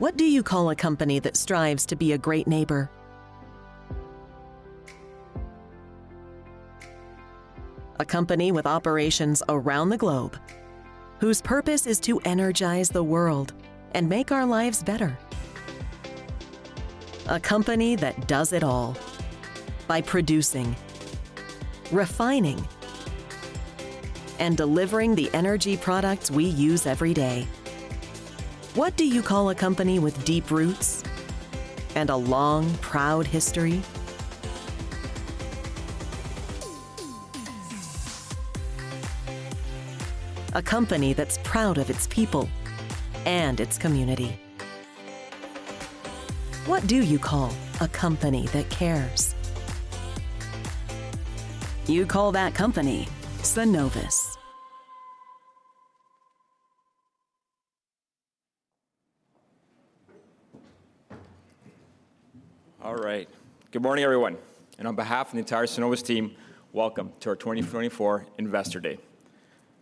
What do you call a company that strives to be a great neighbor? A company with operations around the globe whose purpose is to energize the world and make our lives better. A company that does it all by producing, refining, and delivering the energy products we use every day. What do you call a company with deep roots and a long, proud history? A company that's proud of its people and its community. What do you call a company that cares? You call that company Cenovus. All right. Good morning, everyone. On behalf of the entire Cenovus team, welcome to our 2024 Investor Day.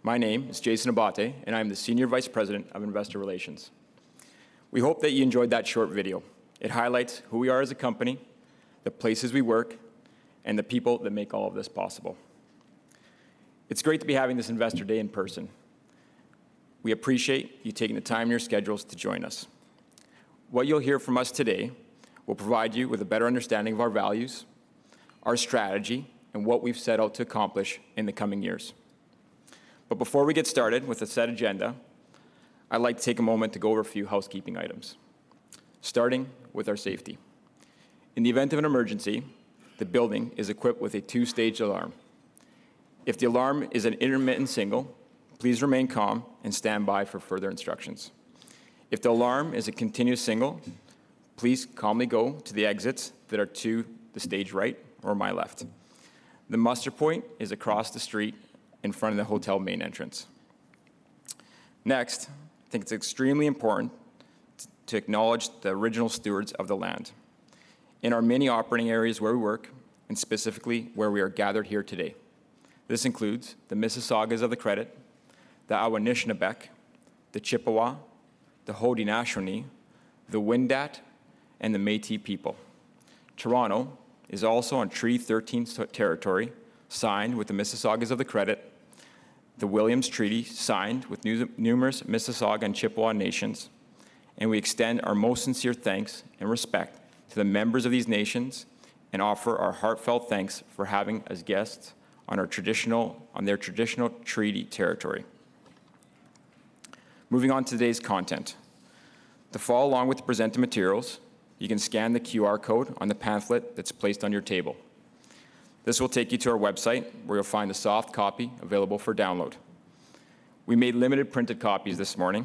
My name is Jason Abbate, and I'm the Senior Vice-President, Investor Relations. We hope that you enjoyed that short video. It highlights who we are as a company, the places we work, and the people that make all of this possible. It's great to be having this Investor Day in person. We appreciate you taking the time in your schedules to join us. What you'll hear from us today will provide you with a better understanding of our values, our strategy, and what we've set out to accomplish in the coming years. But before we get started with a set agenda, I'd like to take a moment to go over a few housekeeping items, starting with our safety. In the event of an emergency, the building is equipped with a two-stage alarm. If the alarm is an intermittent single, please remain calm and stand by for further instructions. If the alarm is a continuous single, please calmly go to the exits that are to the stage right or my left. The muster point is across the street in front of the hotel main entrance. Next, I think it's extremely important to acknowledge the original stewards of the land in our many operating areas where we work, and specifically where we are gathered here today. This includes the Mississaugas of the Credit, the Anishinabek, the Chippewa, the Haudenosaunee, the Wendat, and the Métis people. Toronto is also on Treaty 13 territory, signed with the Mississaugas of the Credit, the Williams Treaty, signed with numerous Mississauga and Chippewa nations. And we extend our most sincere thanks and respect to the members of these nations and offer our heartfelt thanks for having us guests on their traditional treaty territory. Moving on to today's content. To follow along with the presented materials, you can scan the QR code on the pamphlet that's placed on your table. This will take you to our website, where you'll find a soft copy available for download. We made limited printed copies this morning.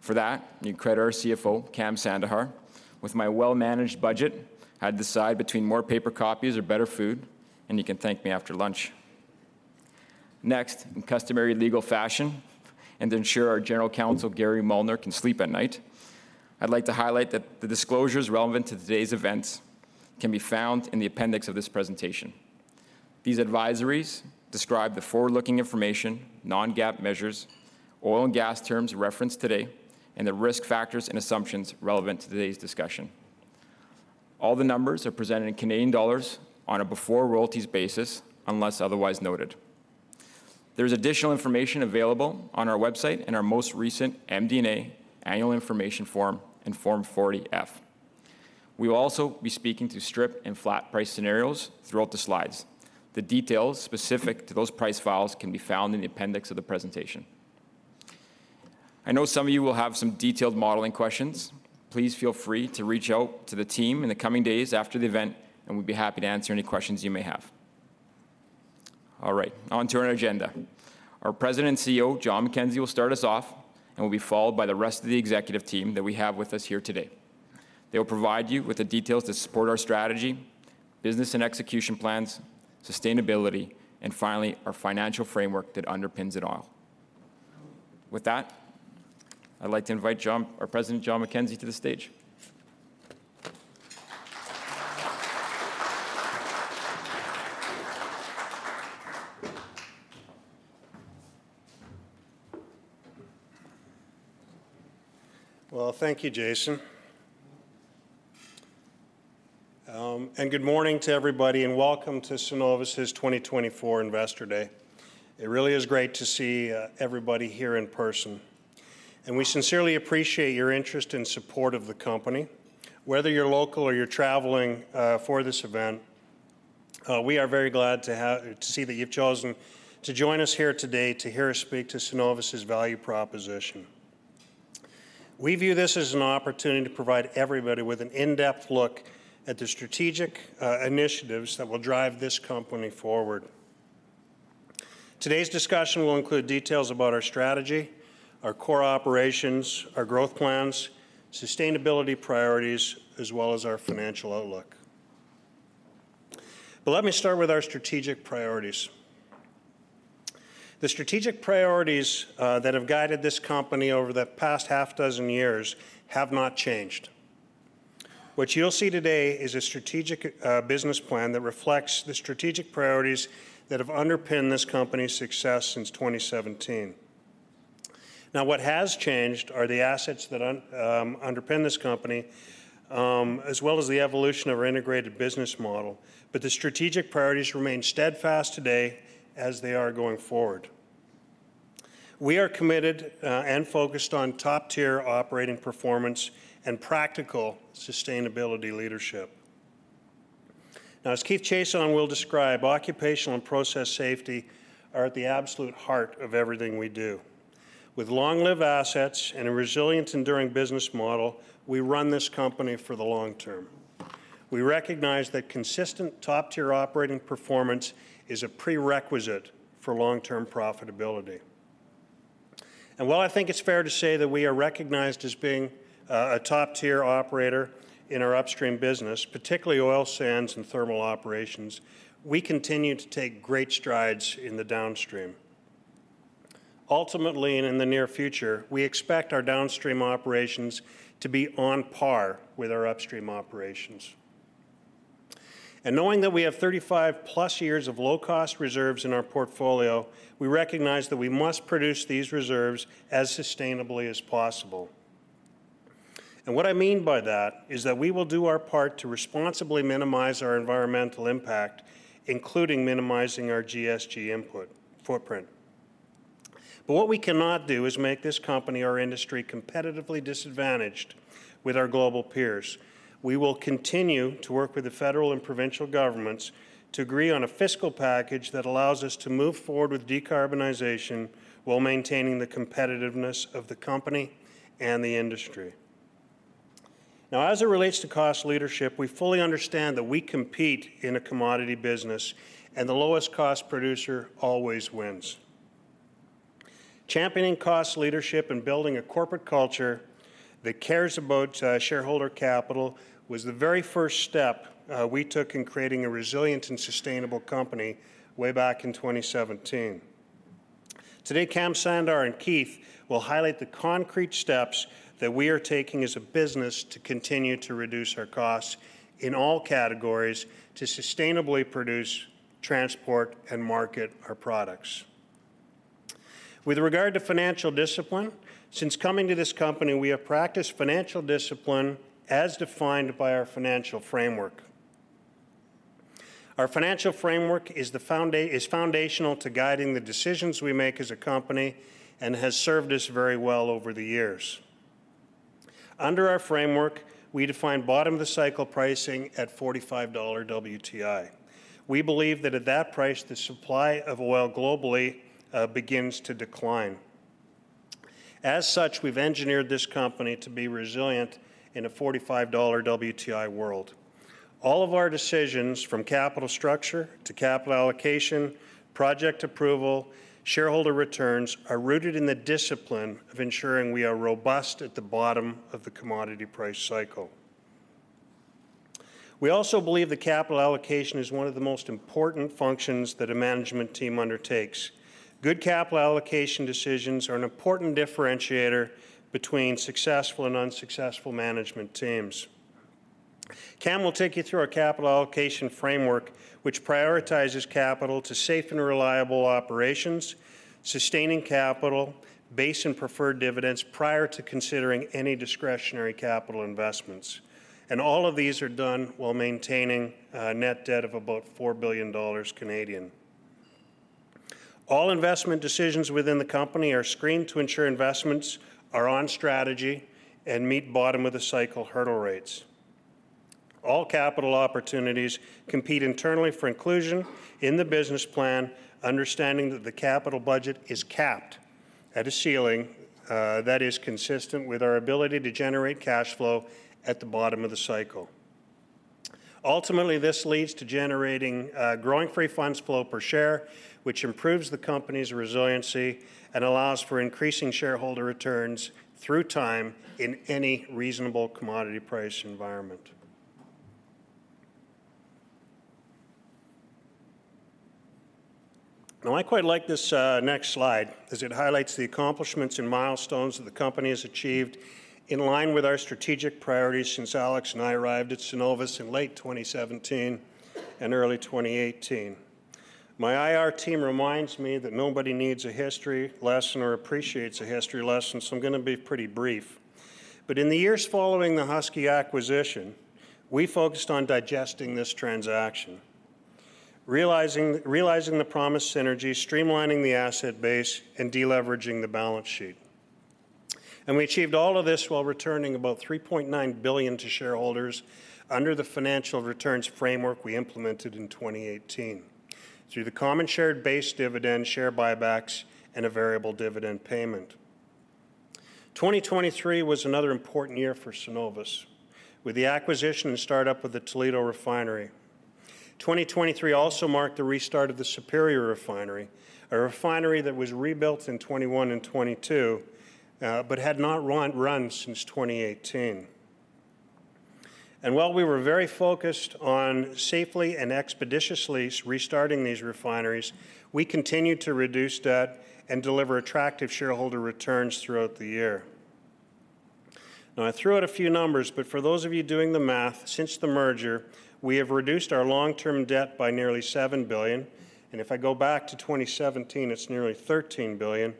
For that, you can credit our CFO, Kam Sandhar. With my well-managed budget, I had to decide between more paper copies or better food. And you can thank me after lunch. Next, in customary legal fashion, and to ensure our General Counsel, Gary Molnar, can sleep at night, I'd like to highlight that the disclosures relevant to today's events can be found in the appendix of this presentation. These advisories describe the forward-looking information, non-GAAP measures, oil and gas terms referenced today, and the risk factors and assumptions relevant to today's discussion. All the numbers are presented in Canadian dollars on a before royalties basis, unless otherwise noted. There is additional information available on our website and our most recent MD&A annual information form and Form 40-F. We will also be speaking through strip and flat price scenarios throughout the slides. The details specific to those price files can be found in the appendix of the presentation. I know some of you will have some detailed modeling questions. Please feel free to reach out to the team in the coming days after the event, and we'd be happy to answer any questions you may have. All right. On to our agenda. Our President and CEO, Jon McKenzie, will start us off, and will be followed by the rest of the executive team that we have with us here today. They will provide you with the details to support our strategy, business and execution plans, sustainability, and finally, our financial framework that underpins it all. With that, I'd like to invite our President, Jon McKenzie, to the stage. Well, thank you, Jason. Good morning to everybody, and welcome to Cenovus's 2024 Investor Day. It really is great to see everybody here in person. We sincerely appreciate your interest and support of the company. Whether you're local or you're traveling for this event, we are very glad to see that you've chosen to join us here today to hear us speak to Cenovus's value proposition. We view this as an opportunity to provide everybody with an in-depth look at the strategic initiatives that will drive this company forward. Today's discussion will include details about our strategy, our core operations, our growth plans, sustainability priorities, as well as our financial outlook. Let me start with our strategic priorities. The strategic priorities that have guided this company over the past half dozen years have not changed. What you'll see today is a strategic business plan that reflects the strategic priorities that have underpinned this company's success since 2017. Now, what has changed are the assets that underpin this company, as well as the evolution of our integrated business model. But the strategic priorities remain steadfast today as they are going forward. We are committed and focused on top-tier operating performance and practical sustainability leadership. Now, as Keith Chiasson will describe, occupational and process safety are at the absolute heart of everything we do. With long-lived assets and a resilient, enduring business model, we run this company for the long term. We recognize that consistent top-tier operating performance is a prerequisite for long-term profitability. While I think it's fair to say that we are recognized as being a top-tier operator in our upstream business, particularly oil sands and thermal operations, we continue to take great strides in the downstream. Ultimately, and in the near future, we expect our downstream operations to be on par with our upstream operations. Knowing that we have 35+ years of low-cost reserves in our portfolio, we recognize that we must produce these reserves as sustainably as possible. What I mean by that is that we will do our part to responsibly minimize our environmental impact, including minimizing our GHG footprint. But what we cannot do is make this company, our industry, competitively disadvantaged with our global peers. We will continue to work with the federal and provincial governments to agree on a fiscal package that allows us to move forward with decarbonization while maintaining the competitiveness of the company and the industry. Now, as it relates to cost leadership, we fully understand that we compete in a commodity business, and the lowest cost producer always wins. Championing cost leadership and building a corporate culture that cares about shareholder capital was the very first step we took in creating a resilient and sustainable company way back in 2017. Today, Kam Sandhar and Keith will highlight the concrete steps that we are taking as a business to continue to reduce our costs in all categories to sustainably produce, transport, and market our products. With regard to financial discipline, since coming to this company, we have practiced financial discipline as defined by our financial framework. Our financial framework is foundational to guiding the decisions we make as a company and has served us very well over the years. Under our framework, we define bottom-of-the-cycle pricing at $45 WTI. We believe that at that price, the supply of oil globally begins to decline. As such, we've engineered this company to be resilient in a $45 WTI world. All of our decisions, from capital structure to capital allocation, project approval, shareholder returns, are rooted in the discipline of ensuring we are robust at the bottom of the commodity price cycle. We also believe that capital allocation is one of the most important functions that a management team undertakes. Good capital allocation decisions are an important differentiator between successful and unsuccessful management teams. Kam will take you through our capital allocation framework, which prioritizes capital to safe and reliable operations, sustaining capital, base and preferred dividends prior to considering any discretionary capital investments. All of these are done while maintaining a net debt of about 4 billion Canadian dollars. All investment decisions within the company are screened to ensure investments are on strategy and meet bottom-of-the-cycle hurdle rates. All capital opportunities compete internally for inclusion in the business plan, understanding that the capital budget is capped at a ceiling that is consistent with our ability to generate cash flow at the bottom of the cycle. Ultimately, this leads to generating growing free funds flow per share, which improves the company's resiliency and allows for increasing shareholder returns through time in any reasonable commodity price environment. Now, I quite like this next slide as it highlights the accomplishments and milestones that the company has achieved in line with our strategic priorities since Alex and I arrived at Cenovus in late 2017 and early 2018. My IR team reminds me that nobody needs a history lesson or appreciates a history lesson, so I'm going to be pretty brief. In the years following the Husky acquisition, we focused on digesting this transaction, realizing the promised synergy, streamlining the asset base, and deleveraging the balance sheet. We achieved all of this while returning about 3.9 billion to shareholders under the financial returns framework we implemented in 2018 through the common shared base dividend, share buybacks, and a variable dividend payment. 2023 was another important year for Cenovus with the acquisition and startup of the Toledo refinery. 2023 also marked the restart of the Superior refinery, a refinery that was rebuilt in 2021 and 2022 but had not run since 2018. While we were very focused on safely and expeditiously restarting these refineries, we continued to reduce debt and deliver attractive shareholder returns throughout the year. Now, I threw out a few numbers. For those of you doing the math, since the merger, we have reduced our long-term debt by nearly $7 billion. If I go back to 2017, it's nearly $13 billion.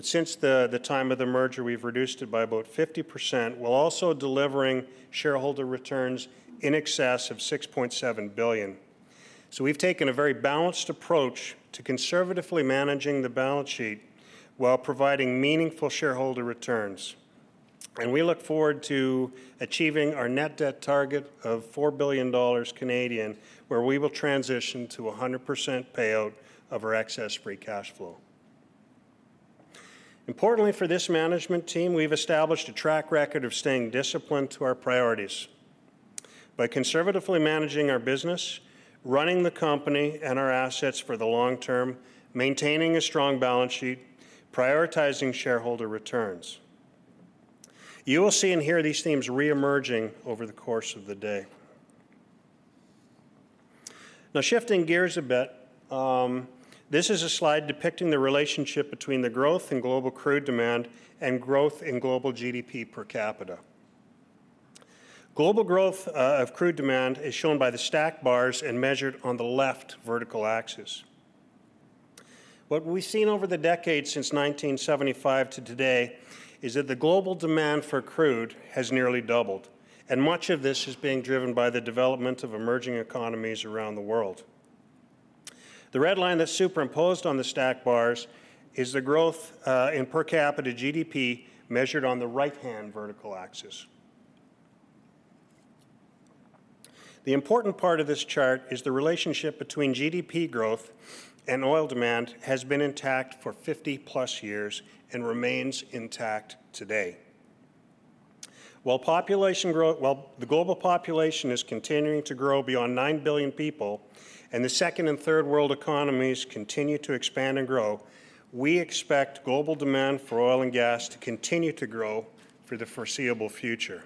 Since the time of the merger, we've reduced it by about 50% while also delivering shareholder returns in excess of $6.7 billion. We've taken a very balanced approach to conservatively managing the balance sheet while providing meaningful shareholder returns. We look forward to achieving our net debt target of 4 billion Canadian dollars, where we will transition to 100% payout of our excess free cash flow. Importantly, for this management team, we've established a track record of staying disciplined to our priorities by conservatively managing our business, running the company and our assets for the long term, maintaining a strong balance sheet, and prioritizing shareholder returns. You will see and hear these themes reemerging over the course of the day. Now, shifting gears a bit, this is a slide depicting the relationship between the growth in global crude demand and growth in global GDP per capita. Global growth of crude demand is shown by the stack bars and measured on the left vertical axis. What we've seen over the decades since 1975 to today is that the global demand for crude has nearly doubled. Much of this is being driven by the development of emerging economies around the world. The red line that's superimposed on the stack bars is the growth in per capita GDP measured on the right-hand vertical axis. The important part of this chart is the relationship between GDP growth and oil demand has been intact for 50+ years and remains intact today. While the global population is continuing to grow beyond nine billion people and the second and third world economies continue to expand and grow, we expect global demand for oil and gas to continue to grow for the foreseeable future.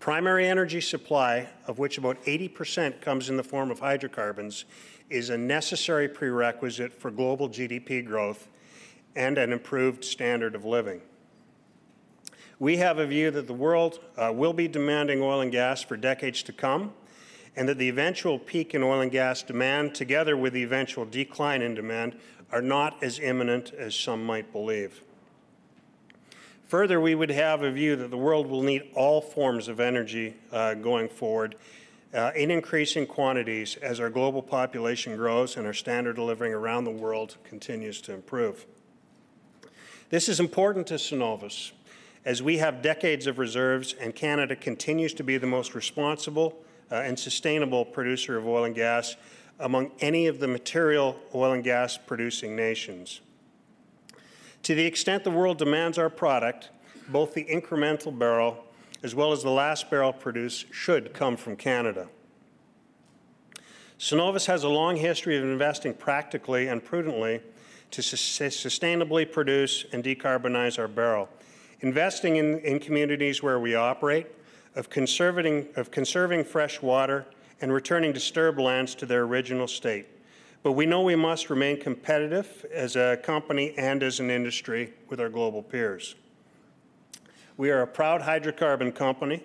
Primary energy supply, of which about 80% comes in the form of hydrocarbons, is a necessary prerequisite for global GDP growth and an improved standard of living. We have a view that the world will be demanding oil and gas for decades to come and that the eventual peak in oil and gas demand, together with the eventual decline in demand, are not as imminent as some might believe. Further, we would have a view that the world will need all forms of energy going forward in increasing quantities as our global population grows and our standard of living around the world continues to improve. This is important to Cenovus as we have decades of reserves, and Canada continues to be the most responsible and sustainable producer of oil and gas among any of the material oil and gas producing nations. To the extent the world demands our product, both the incremental barrel as well as the last barrel produced should come from Canada. Cenovus has a long history of investing practically and prudently to sustainably produce and decarbonize our barrel, investing in communities where we operate, conserving fresh water, and returning disturbed lands to their original state. But we know we must remain competitive as a company and as an industry with our global peers. We are a proud hydrocarbon company.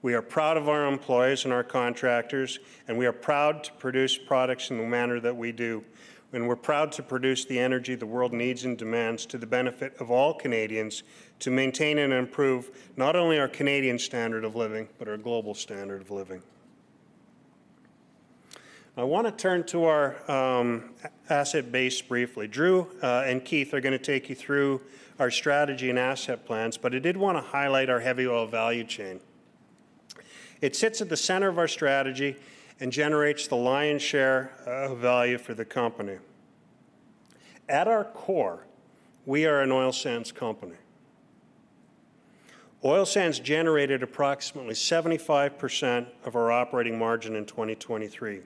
We are proud of our employees and our contractors. And we are proud to produce products in the manner that we do. And we're proud to produce the energy the world needs and demands to the benefit of all Canadians to maintain and improve not only our Canadian standard of living but our global standard of living. I want to turn to our asset base briefly. Drew and Keith are going to take you through our strategy and asset plans. But I did want to highlight our heavy oil value chain. It sits at the center of our strategy and generates the lion's share of value for the company. At our core, we are an oil sands company. Oil sands generated approximately 75% of our operating margin in 2023.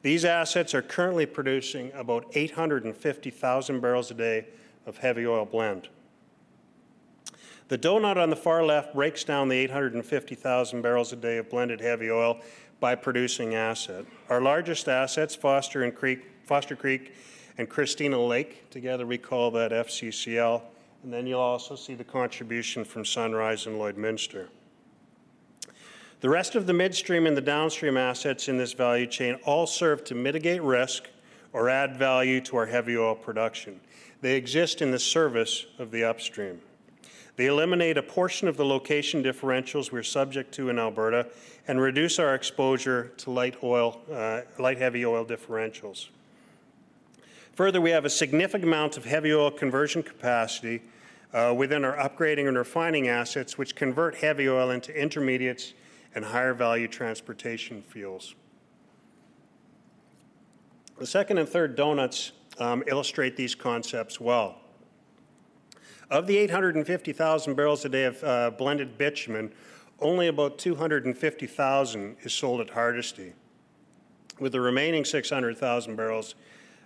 These assets are currently producing about 850,000 barrels a day of heavy oil blend. The donut on the far left breaks down the 850,000 barrels a day of blended heavy oil by producing asset. Our largest assets are Foster Creek and Christina Lake. Together, we call that FCCL. And then you'll also see the contribution from Sunrise and Lloydminster. The rest of the midstream and the downstream assets in this value chain all serve to mitigate risk or add value to our heavy oil production. They exist in the service of the upstream. They eliminate a portion of the location differentials we're subject to in Alberta and reduce our exposure to light heavy oil differentials. Further, we have a significant amount of heavy oil conversion capacity within our upgrading and refining assets, which convert heavy oil into intermediates and higher value transportation fuels. The second and third donuts illustrate these concepts well. Of the 850,000 barrels a day of blended bitumen, only about 250,000 is sold at Hardisty, with the remaining 600,000 barrels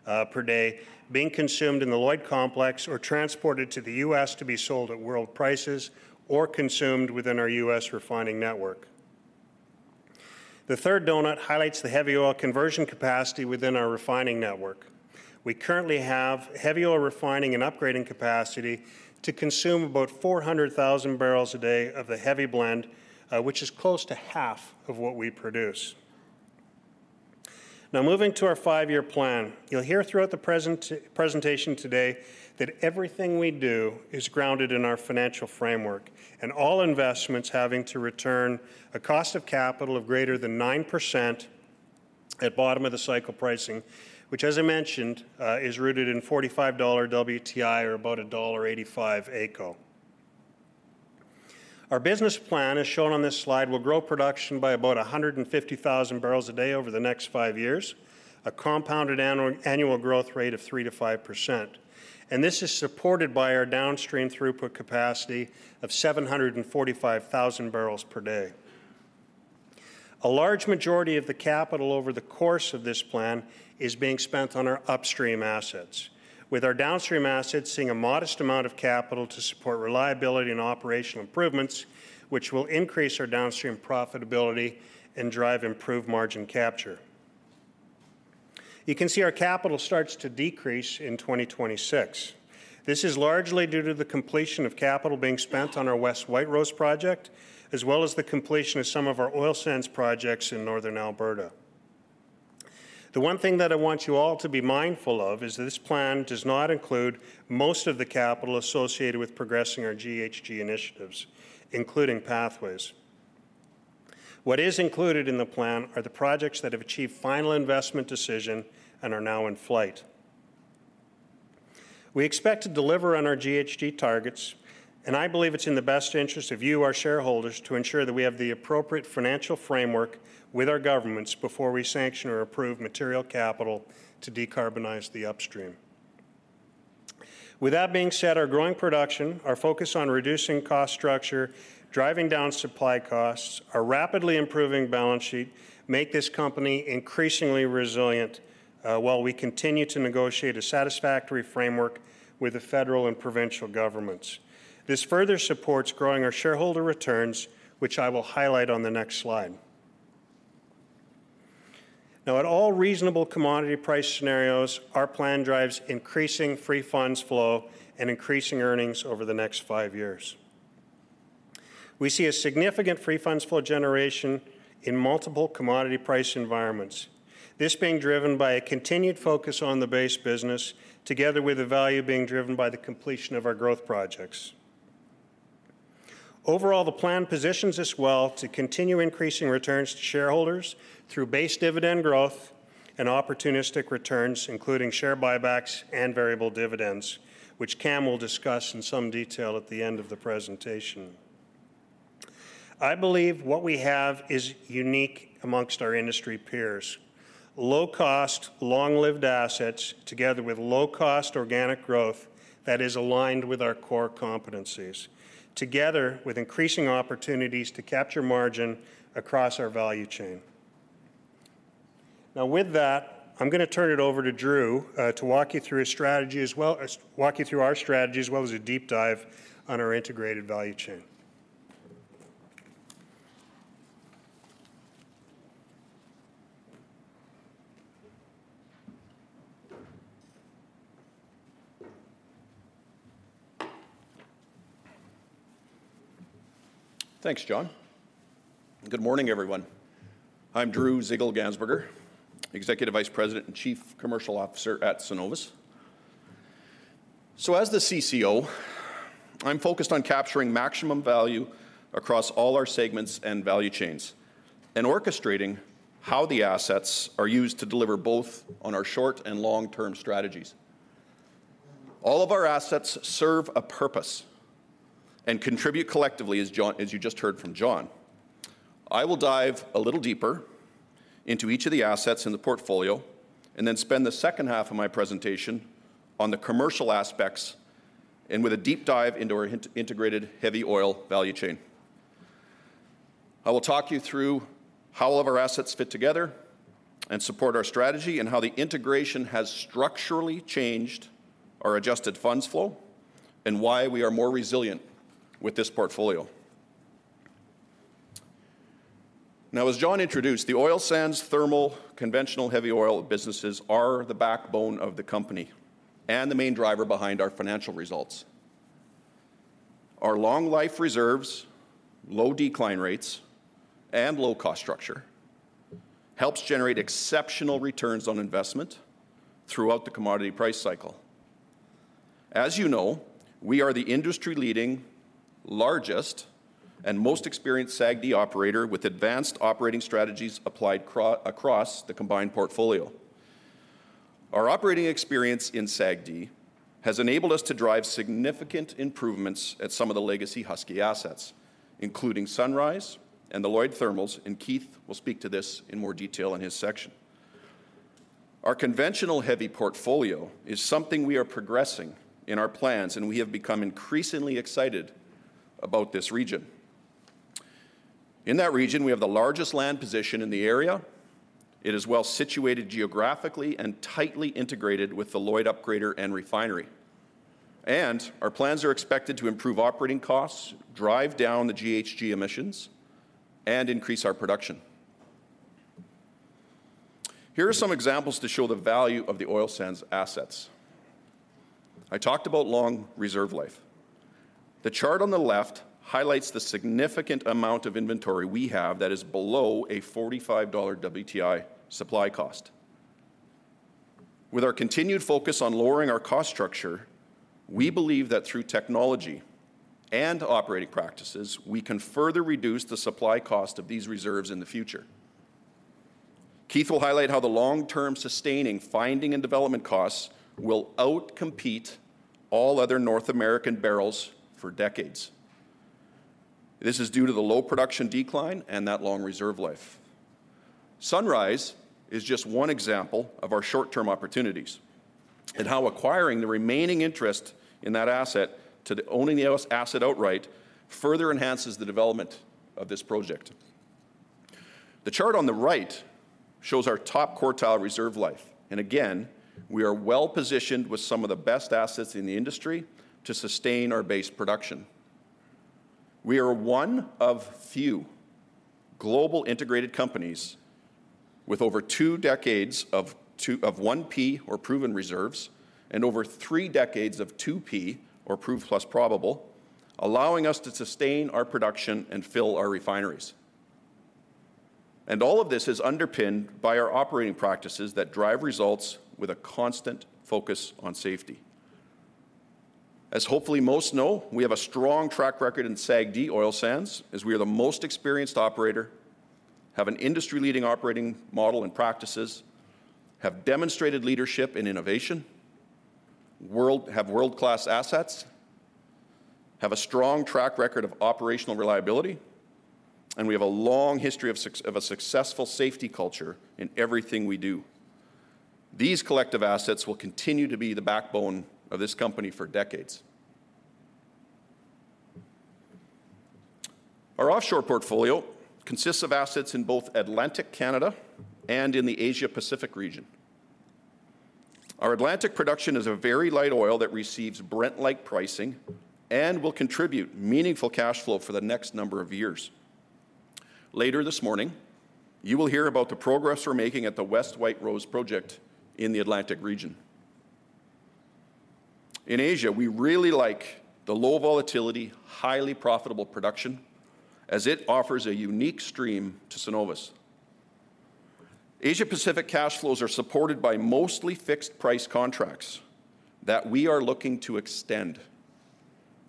per day being consumed in the Lloyd complex or transported to the U.S. to be sold at world prices or consumed within our U.S. refining network. The third donut highlights the heavy oil conversion capacity within our refining network. We currently have heavy oil refining and upgrading capacity to consume about 400,000 barrels a day of the heavy blend, which is close to half of what we produce. Now, moving to our 5-year plan, you'll hear throughout the presentation today that everything we do is grounded in our financial framework and all investments having to return a cost of capital of greater than 9% at bottom of the cycle pricing, which, as I mentioned, is rooted in $45 WTI or about $1.85 AECO. Our business plan, as shown on this slide, will grow production by about 150,000 barrels a day over the next five years, a compounded annual growth rate of 3%-5%. And this is supported by our downstream throughput capacity of 745,000 barrels per day. A large majority of the capital over the course of this plan is being spent on our upstream assets, with our downstream assets seeing a modest amount of capital to support reliability and operational improvements, which will increase our downstream profitability and drive improved margin capture. You can see our capital starts to decrease in 2026. This is largely due to the completion of capital being spent on our West White Rose project as well as the completion of some of our oil sands projects in northern Alberta. The one thing that I want you all to be mindful of is that this plan does not include most of the capital associated with progressing our GHG initiatives, including Pathways. What is included in the plan are the projects that have achieved final investment decision and are now in flight. We expect to deliver on our GHG targets. And I believe it's in the best interest of you, our shareholders, to ensure that we have the appropriate financial framework with our governments before we sanction or approve material capital to decarbonize the upstream. With that being said, our growing production, our focus on reducing cost structure, driving down supply costs, our rapidly improving balance sheet make this company increasingly resilient while we continue to negotiate a satisfactory framework with the federal and provincial governments. This further supports growing our shareholder returns, which I will highlight on the next slide. Now, at all reasonable commodity price scenarios, our plan drives increasing free funds flow and increasing earnings over the next five years. We see a significant free funds flow generation in multiple commodity price environments, this being driven by a continued focus on the base business together with the value being driven by the completion of our growth projects. Overall, the plan positions us well to continue increasing returns to shareholders through base dividend growth and opportunistic returns, including share buybacks and variable dividends, which Cam will discuss in some detail at the end of the presentation. I believe what we have is unique amongst our industry peers: low-cost, long-lived assets together with low-cost organic growth that is aligned with our core competencies, together with increasing opportunities to capture margin across our value chain. Now, with that, I'm going to turn it over to Drew to walk you through our strategy as well as a deep dive on our integrated value chain. Thanks, John. Good morning, everyone. I'm Drew Zieglgansberger, Executive Vice President and Chief Commercial Officer at Cenovus. So as the CCO, I'm focused on capturing maximum value across all our segments and value chains and orchestrating how the assets are used to deliver both on our short and long-term strategies. All of our assets serve a purpose and contribute collectively, as you just heard from John. I will dive a little deeper into each of the assets in the portfolio and then spend the second half of my presentation on the commercial aspects and with a deep dive into our integrated heavy oil value chain. I will talk you through how all of our assets fit together and support our strategy and how the integration has structurally changed our adjusted funds flow and why we are more resilient with this portfolio. Now, as John introduced, the oil sands, thermal, conventional heavy oil businesses are the backbone of the company and the main driver behind our financial results. Our long-life reserves, low decline rates, and low-cost structure help generate exceptional returns on investment throughout the commodity price cycle. As you know, we are the industry-leading, largest, and most experienced SAGD operator with advanced operating strategies applied across the combined portfolio. Our operating experience in SAGD has enabled us to drive significant improvements at some of the legacy Husky assets, including Sunrise and the Lloyd Thermals. Keith will speak to this in more detail in his section. Our conventional heavy portfolio is something we are progressing in our plans. We have become increasingly excited about this region. In that region, we have the largest land position in the area. It is well situated geographically and tightly integrated with the Lloyd Upgrader and refinery. Our plans are expected to improve operating costs, drive down the GHG emissions, and increase our production. Here are some examples to show the value of the oil sands assets. I talked about long reserve life. The chart on the left highlights the significant amount of inventory we have that is below a $45 WTI supply cost. With our continued focus on lowering our cost structure, we believe that through technology and operating practices, we can further reduce the supply cost of these reserves in the future. Keith will highlight how the long-term sustaining finding and development costs will outcompete all other North American barrels for decades. This is due to the low production decline and that long reserve life. Sunrise is just one example of our short-term opportunities and how acquiring the remaining interest in that asset to owning the asset outright further enhances the development of this project. The chart on the right shows our top quartile reserve life. Again, we are well positioned with some of the best assets in the industry to sustain our base production. We are one of few global integrated companies with over two decades of 1P or proven reserves and over three decades of 2P or proved plus probable, allowing us to sustain our production and fill our refineries. All of this is underpinned by our operating practices that drive results with a constant focus on safety. As hopefully most know, we have a strong track record in SAGD oil sands, as we are the most experienced operator, have an industry-leading operating model and practices, have demonstrated leadership in innovation, have world-class assets, have a strong track record of operational reliability, and we have a long history of a successful safety culture in everything we do. These collective assets will continue to be the backbone of this company for decades. Our offshore portfolio consists of assets in both Atlantic Canada and in the Asia-Pacific region. Our Atlantic production is a very light oil that receives Brent-like pricing and will contribute meaningful cash flow for the next number of years. Later this morning, you will hear about the progress we're making at the West White Rose project in the Atlantic region. In Asia, we really like the low volatility, highly profitable production, as it offers a unique stream to Cenovus. Asia-Pacific cash flows are supported by mostly fixed-price contracts that we are looking to extend,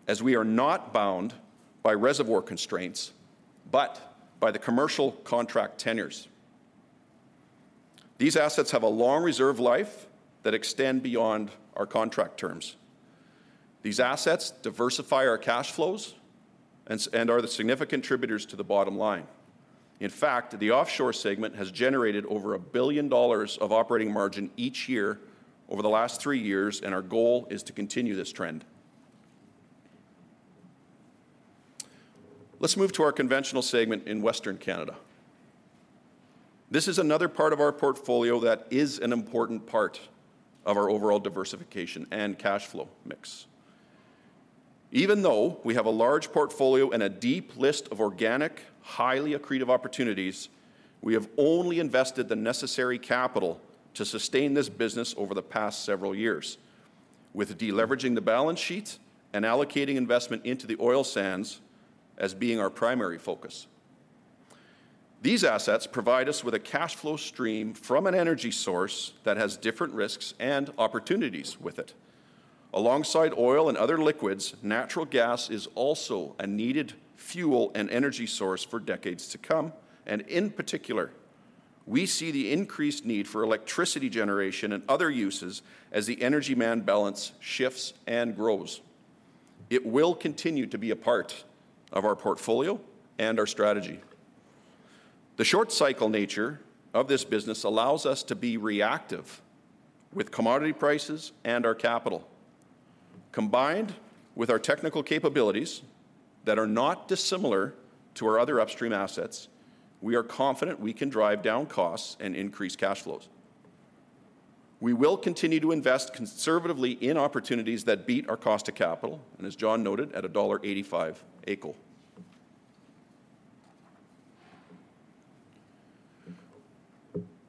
as we are not bound by reservoir constraints but by the commercial contract tenures. These assets have a long reserve life that extends beyond our contract terms. These assets diversify our cash flows and are the significant contributors to the bottom line. In fact, the offshore segment has generated over $1 billion of operating margin each year over the last three years. Our goal is to continue this trend. Let's move to our conventional segment in western Canada. This is another part of our portfolio that is an important part of our overall diversification and cash flow mix. Even though we have a large portfolio and a deep list of organic, highly accretive opportunities, we have only invested the necessary capital to sustain this business over the past several years, with deleveraging the balance sheet and allocating investment into the oil sands as being our primary focus. These assets provide us with a cash flow stream from an energy source that has different risks and opportunities with it. Alongside oil and other liquids, natural gas is also a needed fuel and energy source for decades to come. In particular, we see the increased need for electricity generation and other uses as the energy demand balance shifts and grows. It will continue to be a part of our portfolio and our strategy. The short-cycle nature of this business allows us to be reactive with commodity prices and our capital. Combined with our technical capabilities that are not dissimilar to our other upstream assets, we are confident we can drive down costs and increase cash flows. We will continue to invest conservatively in opportunities that beat our cost of capital. As John noted, at $1.85 AECO.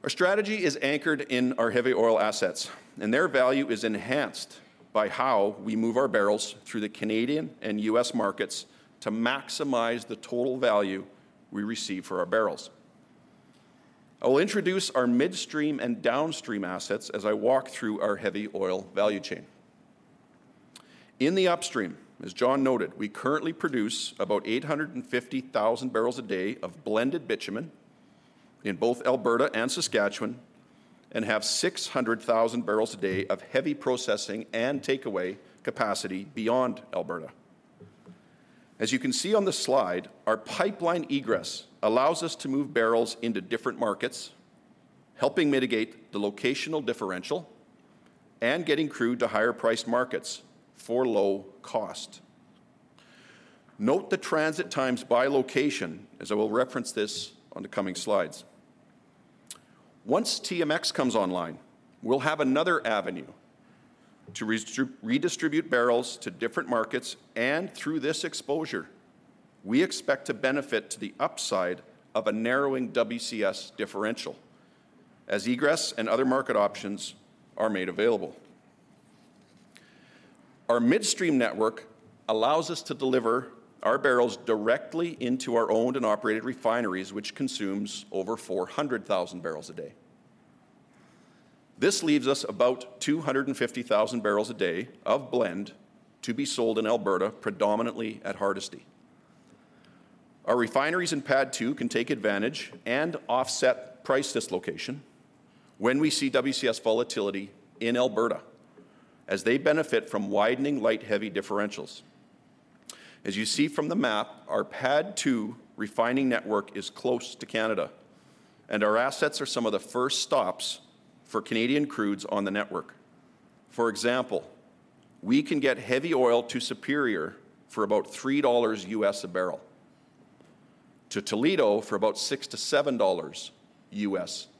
Our strategy is anchored in our heavy oil assets. Their value is enhanced by how we move our barrels through the Canadian and U.S. markets to maximize the total value we receive for our barrels. I will introduce our midstream and downstream assets as I walk through our heavy oil value chain. In the upstream, as John noted, we currently produce about 850,000 barrels a day of blended bitumen in both Alberta and Saskatchewan and have 600,000 barrels a day of heavy processing and takeaway capacity beyond Alberta. As you can see on the slide, our pipeline egress allows us to move barrels into different markets, helping mitigate the locational differential and getting crude to higher-priced markets for low cost. Note the transit times by location, as I will reference this on the coming slides. Once TMX comes online, we'll have another avenue to redistribute barrels to different markets. Through this exposure, we expect to benefit to the upside of a narrowing WCS differential as egress and other market options are made available. Our midstream network allows us to deliver our barrels directly into our owned and operated refineries, which consumes over 400,000 barrels a day. This leaves us about 250,000 barrels a day of blend to be sold in Alberta, predominantly at Hardisty. Our refineries in PAD2 can take advantage and offset price dislocation when we see WCS volatility in Alberta, as they benefit from widening light-heavy differentials. As you see from the map, our PAD2 refining network is close to Canada. Our assets are some of the first stops for Canadian crudes on the network. For example, we can get heavy oil to Superior for about $3 a barrel, to Toledo for about $6-$7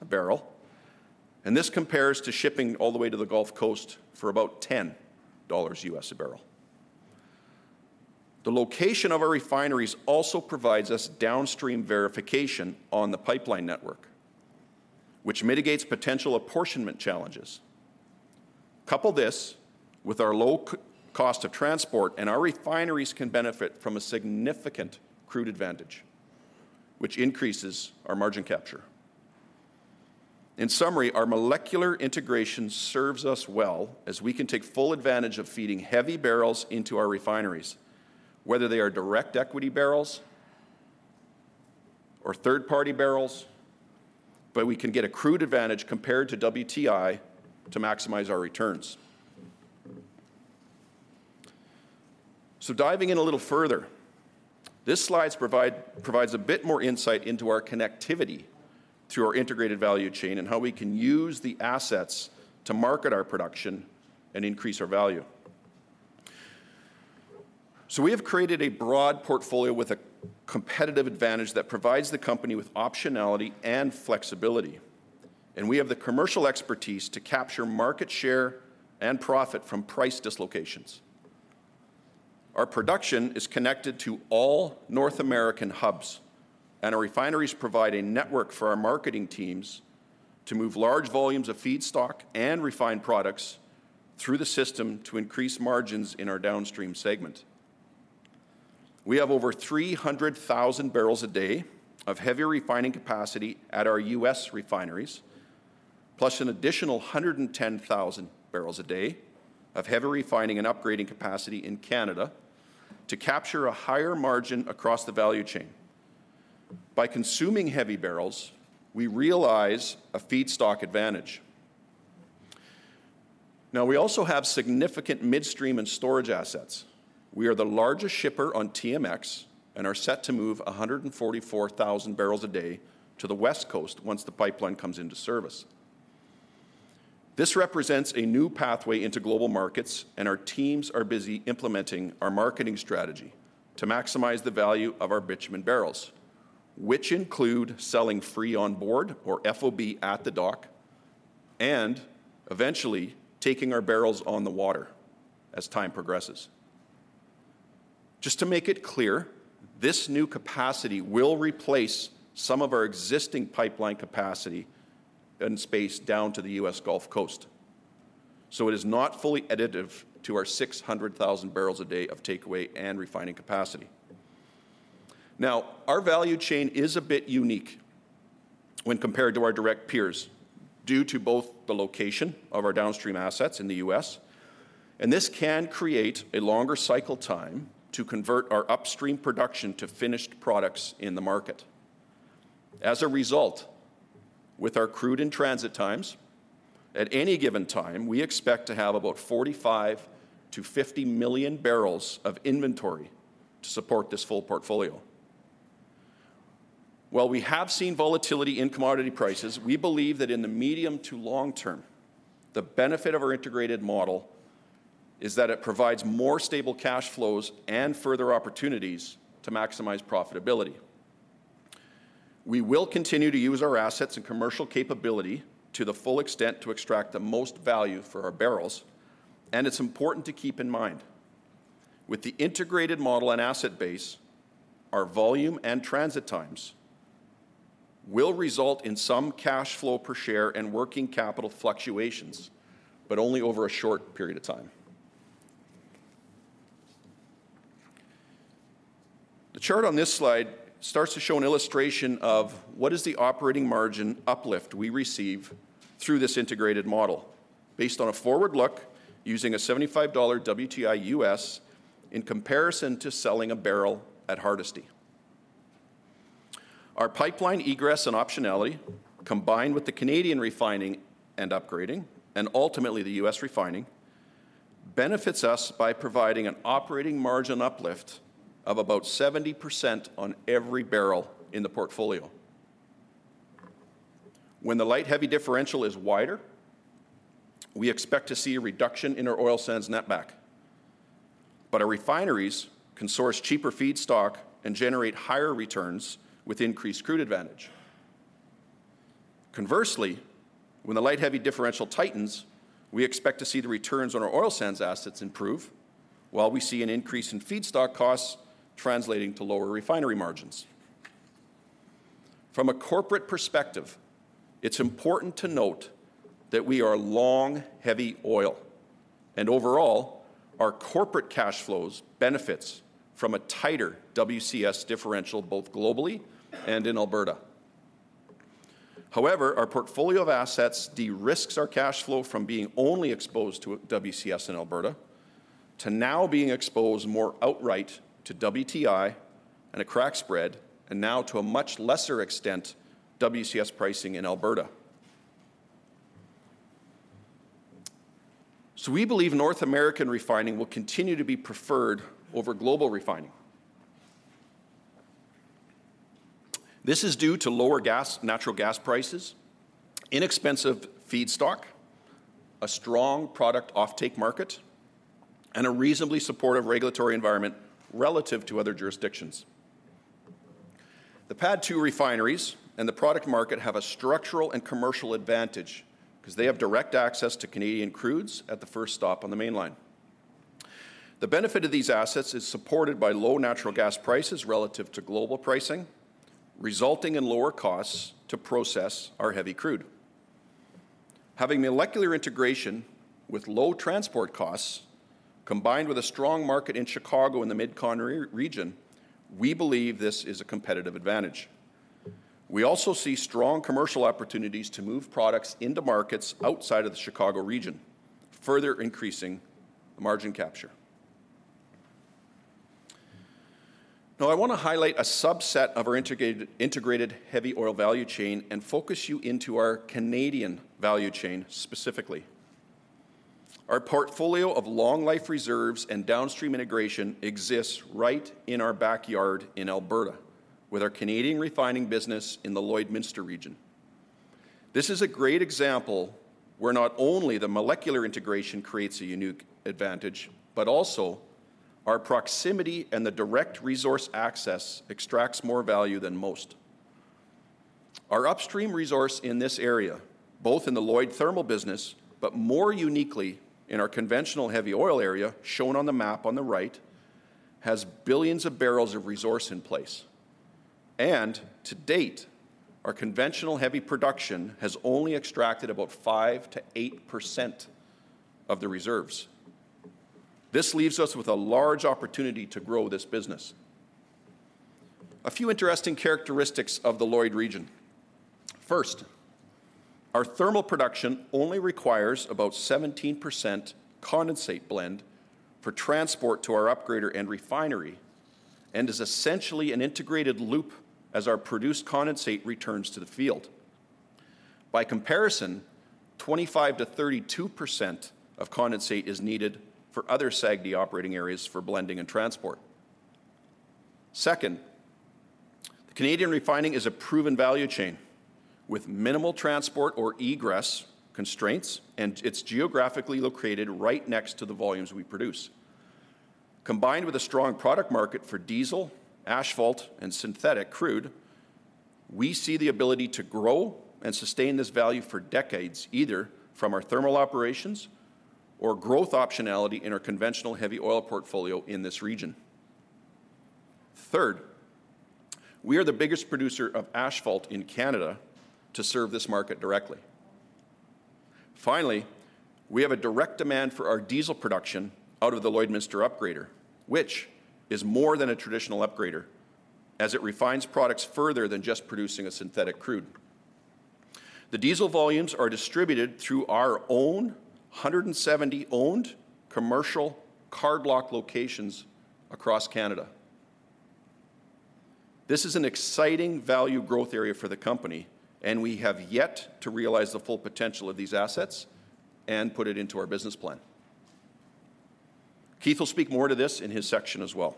a barrel. This compares to shipping all the way to the Gulf Coast for about $10 a barrel. The location of our refineries also provides us downstream verification on the pipeline network, which mitigates potential apportionment challenges. Couple this with our low cost of transport. Our refineries can benefit from a significant crude advantage, which increases our margin capture. In summary, our molecular integration serves us well, as we can take full advantage of feeding heavy barrels into our refineries, whether they are direct equity barrels or third-party barrels. But we can get a crude advantage compared to WTI to maximize our returns. So diving in a little further, this slide provides a bit more insight into our connectivity through our integrated value chain and how we can use the assets to market our production and increase our value. So we have created a broad portfolio with a competitive advantage that provides the company with optionality and flexibility. And we have the commercial expertise to capture market share and profit from price dislocations. Our production is connected to all North American hubs. Our refineries provide a network for our marketing teams to move large volumes of feedstock and refined products through the system to increase margins in our downstream segment. We have over 300,000 barrels a day of heavy refining capacity at our U.S. refineries, plus an additional 110,000 barrels a day of heavy refining and upgrading capacity in Canada to capture a higher margin across the value chain. By consuming heavy barrels, we realize a feedstock advantage. Now, we also have significant midstream and storage assets. We are the largest shipper on TMX and are set to move 144,000 barrels a day to the West Coast once the pipeline comes into service. This represents a new pathway into global markets. Our teams are busy implementing our marketing strategy to maximize the value of our bitumen barrels, which include selling Free on Board or FOB at the dock and eventually taking our barrels on the water as time progresses. Just to make it clear, this new capacity will replace some of our existing pipeline capacity and space down to the US Gulf Coast. It is not fully additive to our 600,000 barrels a day of takeaway and refining capacity. Now, our value chain is a bit unique when compared to our direct peers due to both the location of our downstream assets in the US. This can create a longer cycle time to convert our upstream production to finished products in the market. As a result, with our crude and transit times, at any given time, we expect to have about 45-50 million barrels of inventory to support this full portfolio. While we have seen volatility in commodity prices, we believe that in the medium to long term, the benefit of our integrated model is that it provides more stable cash flows and further opportunities to maximize profitability. We will continue to use our assets and commercial capability to the full extent to extract the most value for our barrels. It's important to keep in mind, with the integrated model and asset base, our volume and transit times will result in some cash flow per share and working capital fluctuations, but only over a short period of time. The chart on this slide starts to show an illustration of what is the operating margin uplift we receive through this integrated model based on a forward look using a $75 WTI in comparison to selling a barrel at Hardisty. Our pipeline egress and optionality, combined with the Canadian refining and upgrading and ultimately the US refining, benefits us by providing an operating margin uplift of about 70% on every barrel in the portfolio. When the light-heavy differential is wider, we expect to see a reduction in our oil sands netback. But our refineries can source cheaper feedstock and generate higher returns with increased crude advantage. Conversely, when the light-heavy differential tightens, we expect to see the returns on our oil sands assets improve while we see an increase in feedstock costs translating to lower refinery margins. From a corporate perspective, it's important to note that we are long-heavy oil. Overall, our corporate cash flows benefit from a tighter WCS differential both globally and in Alberta. However, our portfolio of assets de-risks our cash flow from being only exposed to WCS in Alberta to now being exposed more outright to WTI and a crack spread and now to a much lesser extent WCS pricing in Alberta. So we believe North American refining will continue to be preferred over global refining. This is due to lower natural gas prices, inexpensive feedstock, a strong product offtake market, and a reasonably supportive regulatory environment relative to other jurisdictions. The PAD2 refineries and the product market have a structural and commercial advantage because they have direct access to Canadian crudes at the first stop on the mainline. The benefit of these assets is supported by low natural gas prices relative to global pricing, resulting in lower costs to process our heavy crude. Having molecular integration with low transport costs combined with a strong market in Chicago and the Mid-Continent region, we believe this is a competitive advantage. We also see strong commercial opportunities to move products into markets outside of the Chicago region, further increasing the margin capture. Now, I want to highlight a subset of our integrated heavy oil value chain and focus you into our Canadian value chain specifically. Our portfolio of long-life reserves and downstream integration exists right in our backyard in Alberta with our Canadian refining business in the Lloydminster region. This is a great example where not only the molecular integration creates a unique advantage, but also our proximity and the direct resource access extracts more value than most. Our upstream resource in this area, both in the Lloyd thermal business, but more uniquely in our conventional heavy oil area shown on the map on the right, has billions of barrels of resource in place. To date, our conventional heavy production has only extracted about 5%-8% of the reserves. This leaves us with a large opportunity to grow this business. A few interesting characteristics of the Lloyd region. First, our thermal production only requires about 17% condensate blend for transport to our upgrader and refinery and is essentially an integrated loop as our produced condensate returns to the field. By comparison, 25%-32% of condensate is needed for other SAGD operating areas for blending and transport. Second, the Canadian refining is a proven value chain with minimal transport or egress constraints. It's geographically located right next to the volumes we produce. Combined with a strong product market for diesel, asphalt, and synthetic crude, we see the ability to grow and sustain this value for decades either from our thermal operations or growth optionality in our conventional heavy oil portfolio in this region. Third, we are the biggest producer of asphalt in Canada to serve this market directly. Finally, we have a direct demand for our diesel production out of the Lloydminster Upgrader, which is more than a traditional upgrader as it refines products further than just producing a synthetic crude. The diesel volumes are distributed through our own 170 owned commercial card-lock locations across Canada. This is an exciting value growth area for the company. And we have yet to realize the full potential of these assets and put it into our business plan. Keith will speak more to this in his section as well.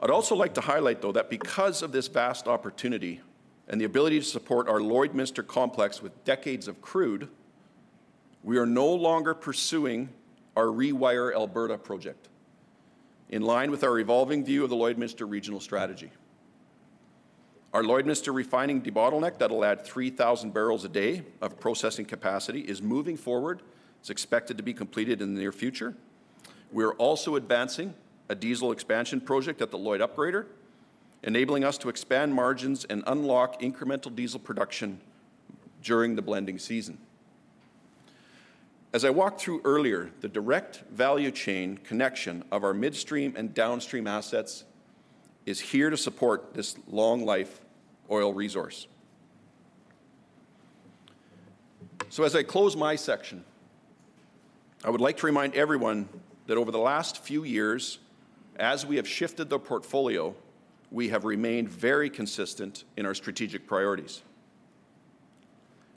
I'd also like to highlight, though, that because of this vast opportunity and the ability to support our Lloydminster complex with decades of crude, we are no longer pursuing our Rewire Alberta project in line with our evolving view of the Lloydminster regional strategy. Our Lloydminster refining debottleneck that'll add 3,000 barrels a day of processing capacity is moving forward. It's expected to be completed in the near future. We are also advancing a diesel expansion project at the Lloyd upgrader, enabling us to expand margins and unlock incremental diesel production during the blending season. As I walked through earlier, the direct value chain connection of our midstream and downstream assets is here to support this long-life oil resource. As I close my section, I would like to remind everyone that over the last few years, as we have shifted the portfolio, we have remained very consistent in our strategic priorities.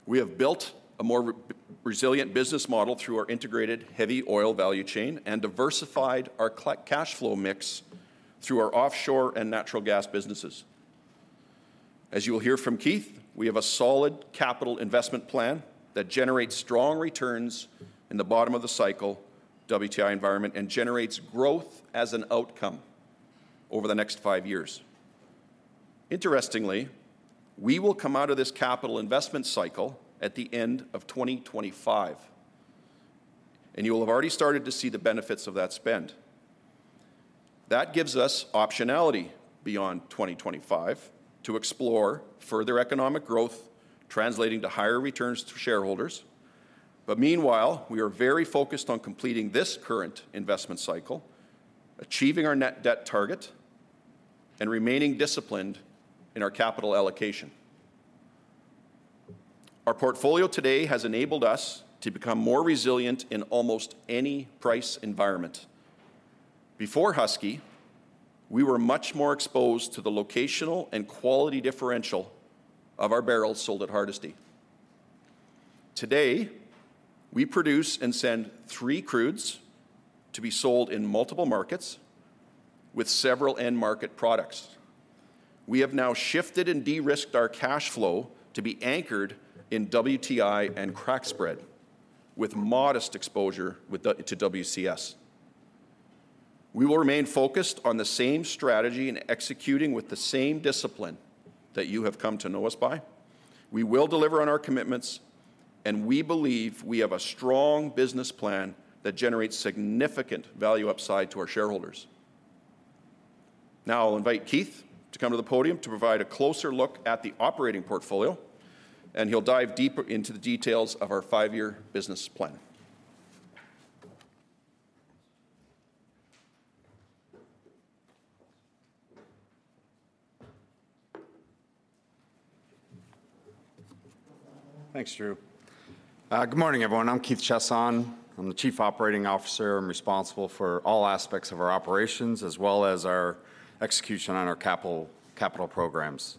We have built a more resilient business model through our integrated heavy oil value chain and diversified our cash flow mix through our offshore and natural gas businesses. As you will hear from Keith, we have a solid capital investment plan that generates strong returns in the bottom of the cycle WTI environment and generates growth as an outcome over the next five years. Interestingly, we will come out of this capital investment cycle at the end of 2025. You will have already started to see the benefits of that spend. That gives us optionality beyond 2025 to explore further economic growth translating to higher returns to shareholders. But meanwhile, we are very focused on completing this current investment cycle, achieving our net debt target, and remaining disciplined in our capital allocation. Our portfolio today has enabled us to become more resilient in almost any price environment. Before Husky, we were much more exposed to the locational and quality differential of our barrels sold at Hardisty. Today, we produce and send three crudes to be sold in multiple markets with several end-market products. We have now shifted and de-risked our cash flow to be anchored in WTI and crack spread with modest exposure to WCS. We will remain focused on the same strategy and executing with the same discipline that you have come to know us by. We will deliver on our commitments. We believe we have a strong business plan that generates significant value upside to our shareholders. Now, I'll invite Keith to come to the podium to provide a closer look at the operating portfolio. He'll dive deeper into the details of our five-year business plan. Thanks, Drew. Good morning, everyone. I'm Keith Chiasson. I'm the Chief Operating Officer. I'm responsible for all aspects of our operations as well as our execution on our capital programs.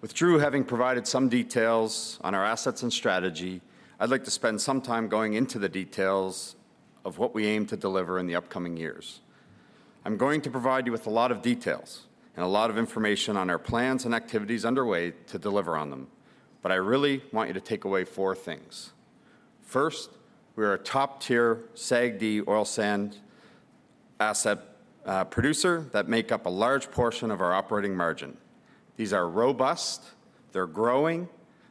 With Drew having provided some details on our assets and strategy, I'd like to spend some time going into the details of what we aim to deliver in the upcoming years. I'm going to provide you with a lot of details and a lot of information on our plans and activities underway to deliver on them. But I really want you to take away four things. First, we are a top-tier SAGD oil sand asset producer that make up a large portion of our operating margin. These are robust. They're growing.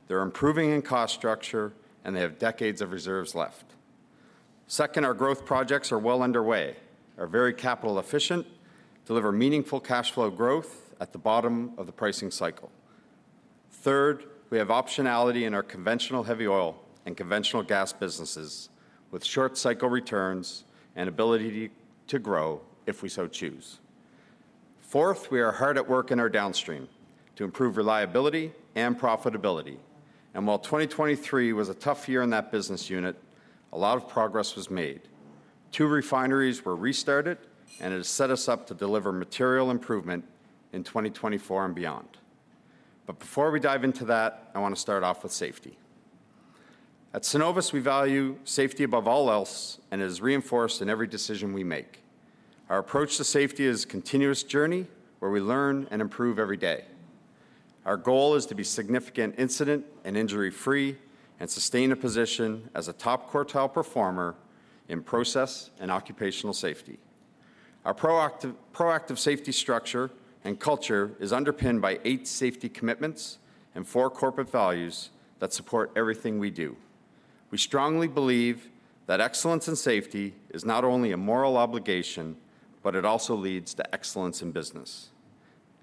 They're improving in cost structure. And they have decades of reserves left. Second, our growth projects are well underway, are very capital efficient, deliver meaningful cash flow growth at the bottom of the pricing cycle. Third, we have optionality in our conventional heavy oil and conventional gas businesses with short cycle returns and ability to grow if we so choose. Fourth, we are hard at work in our downstream to improve reliability and profitability. While 2023 was a tough year in that business unit, a lot of progress was made. Two refineries were restarted. It has set us up to deliver material improvement in 2024 and beyond. Before we dive into that, I want to start off with safety. At Cenovus, we value safety above all else. It is reinforced in every decision we make. Our approach to safety is a continuous journey where we learn and improve every day. Our goal is to be significant incident and injury-free and sustain a position as a top quartile performer in process and occupational safety. Our proactive safety structure and culture is underpinned by eight safety commitments and four corporate values that support everything we do. We strongly believe that excellence in safety is not only a moral obligation, but it also leads to excellence in business.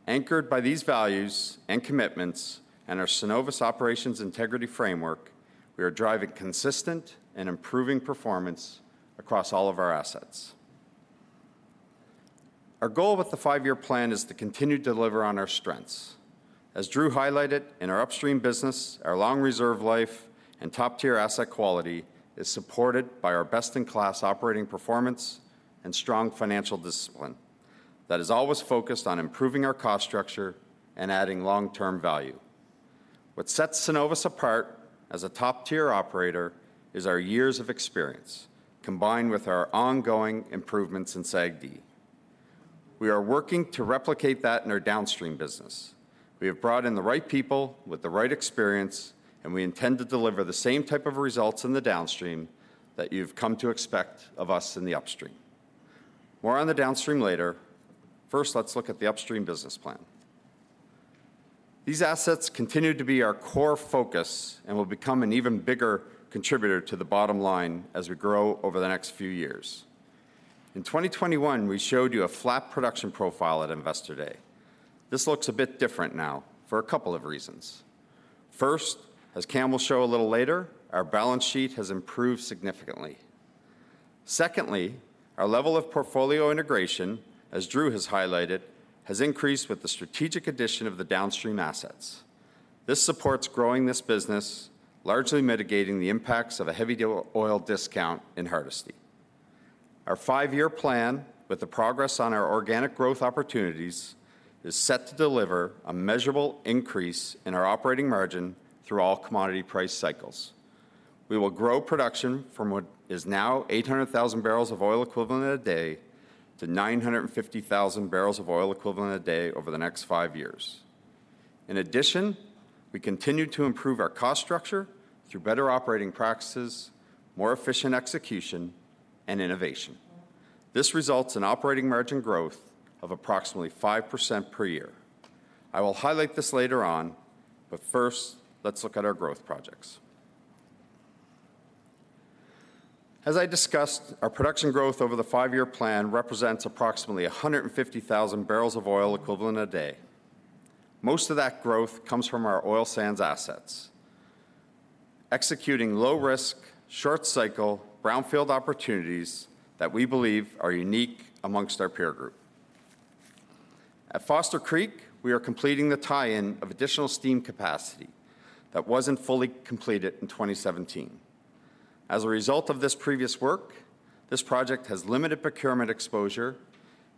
Anchored by these values and commitments and our Cenovus Operations Integrity Framework, we are driving consistent and improving performance across all of our assets. Our goal with the five-year plan is to continue to deliver on our strengths. As Drew highlighted, in our upstream business, our long reserve life and top-tier asset quality is supported by our best-in-class operating performance and strong financial discipline that is always focused on improving our cost structure and adding long-term value. What sets Cenovus apart as a top-tier operator is our years of experience combined with our ongoing improvements in SAGD. We are working to replicate that in our downstream business. We have brought in the right people with the right experience. We intend to deliver the same type of results in the downstream that you've come to expect of us in the upstream. More on the downstream later. First, let's look at the upstream business plan. These assets continue to be our core focus and will become an even bigger contributor to the bottom line as we grow over the next few years. In 2021, we showed you a flat production profile at Investor Day. This looks a bit different now for a couple of reasons. First, as Cam will show a little later, our balance sheet has improved significantly. Secondly, our level of portfolio integration, as Drew has highlighted, has increased with the strategic addition of the downstream assets. This supports growing this business, largely mitigating the impacts of a heavy oil discount in Hardisty. Our five-year plan, with the progress on our organic growth opportunities, is set to deliver a measurable increase in our operating margin through all commodity price cycles. We will grow production from what is now 800,000 barrels of oil equivalent a day to 950,000 barrels of oil equivalent a day over the next five years. In addition, we continue to improve our cost structure through better operating practices, more efficient execution, and innovation. This results in operating margin growth of approximately 5% per year. I will highlight this later on. But first, let's look at our growth projects. As I discussed, our production growth over the five-year plan represents approximately 150,000 barrels of oil equivalent a day. Most of that growth comes from our oil sands assets, executing low-risk, short-cycle brownfield opportunities that we believe are unique amongst our peer group. At Foster Creek, we are completing the tie-in of additional steam capacity that wasn't fully completed in 2017. As a result of this previous work, this project has limited procurement exposure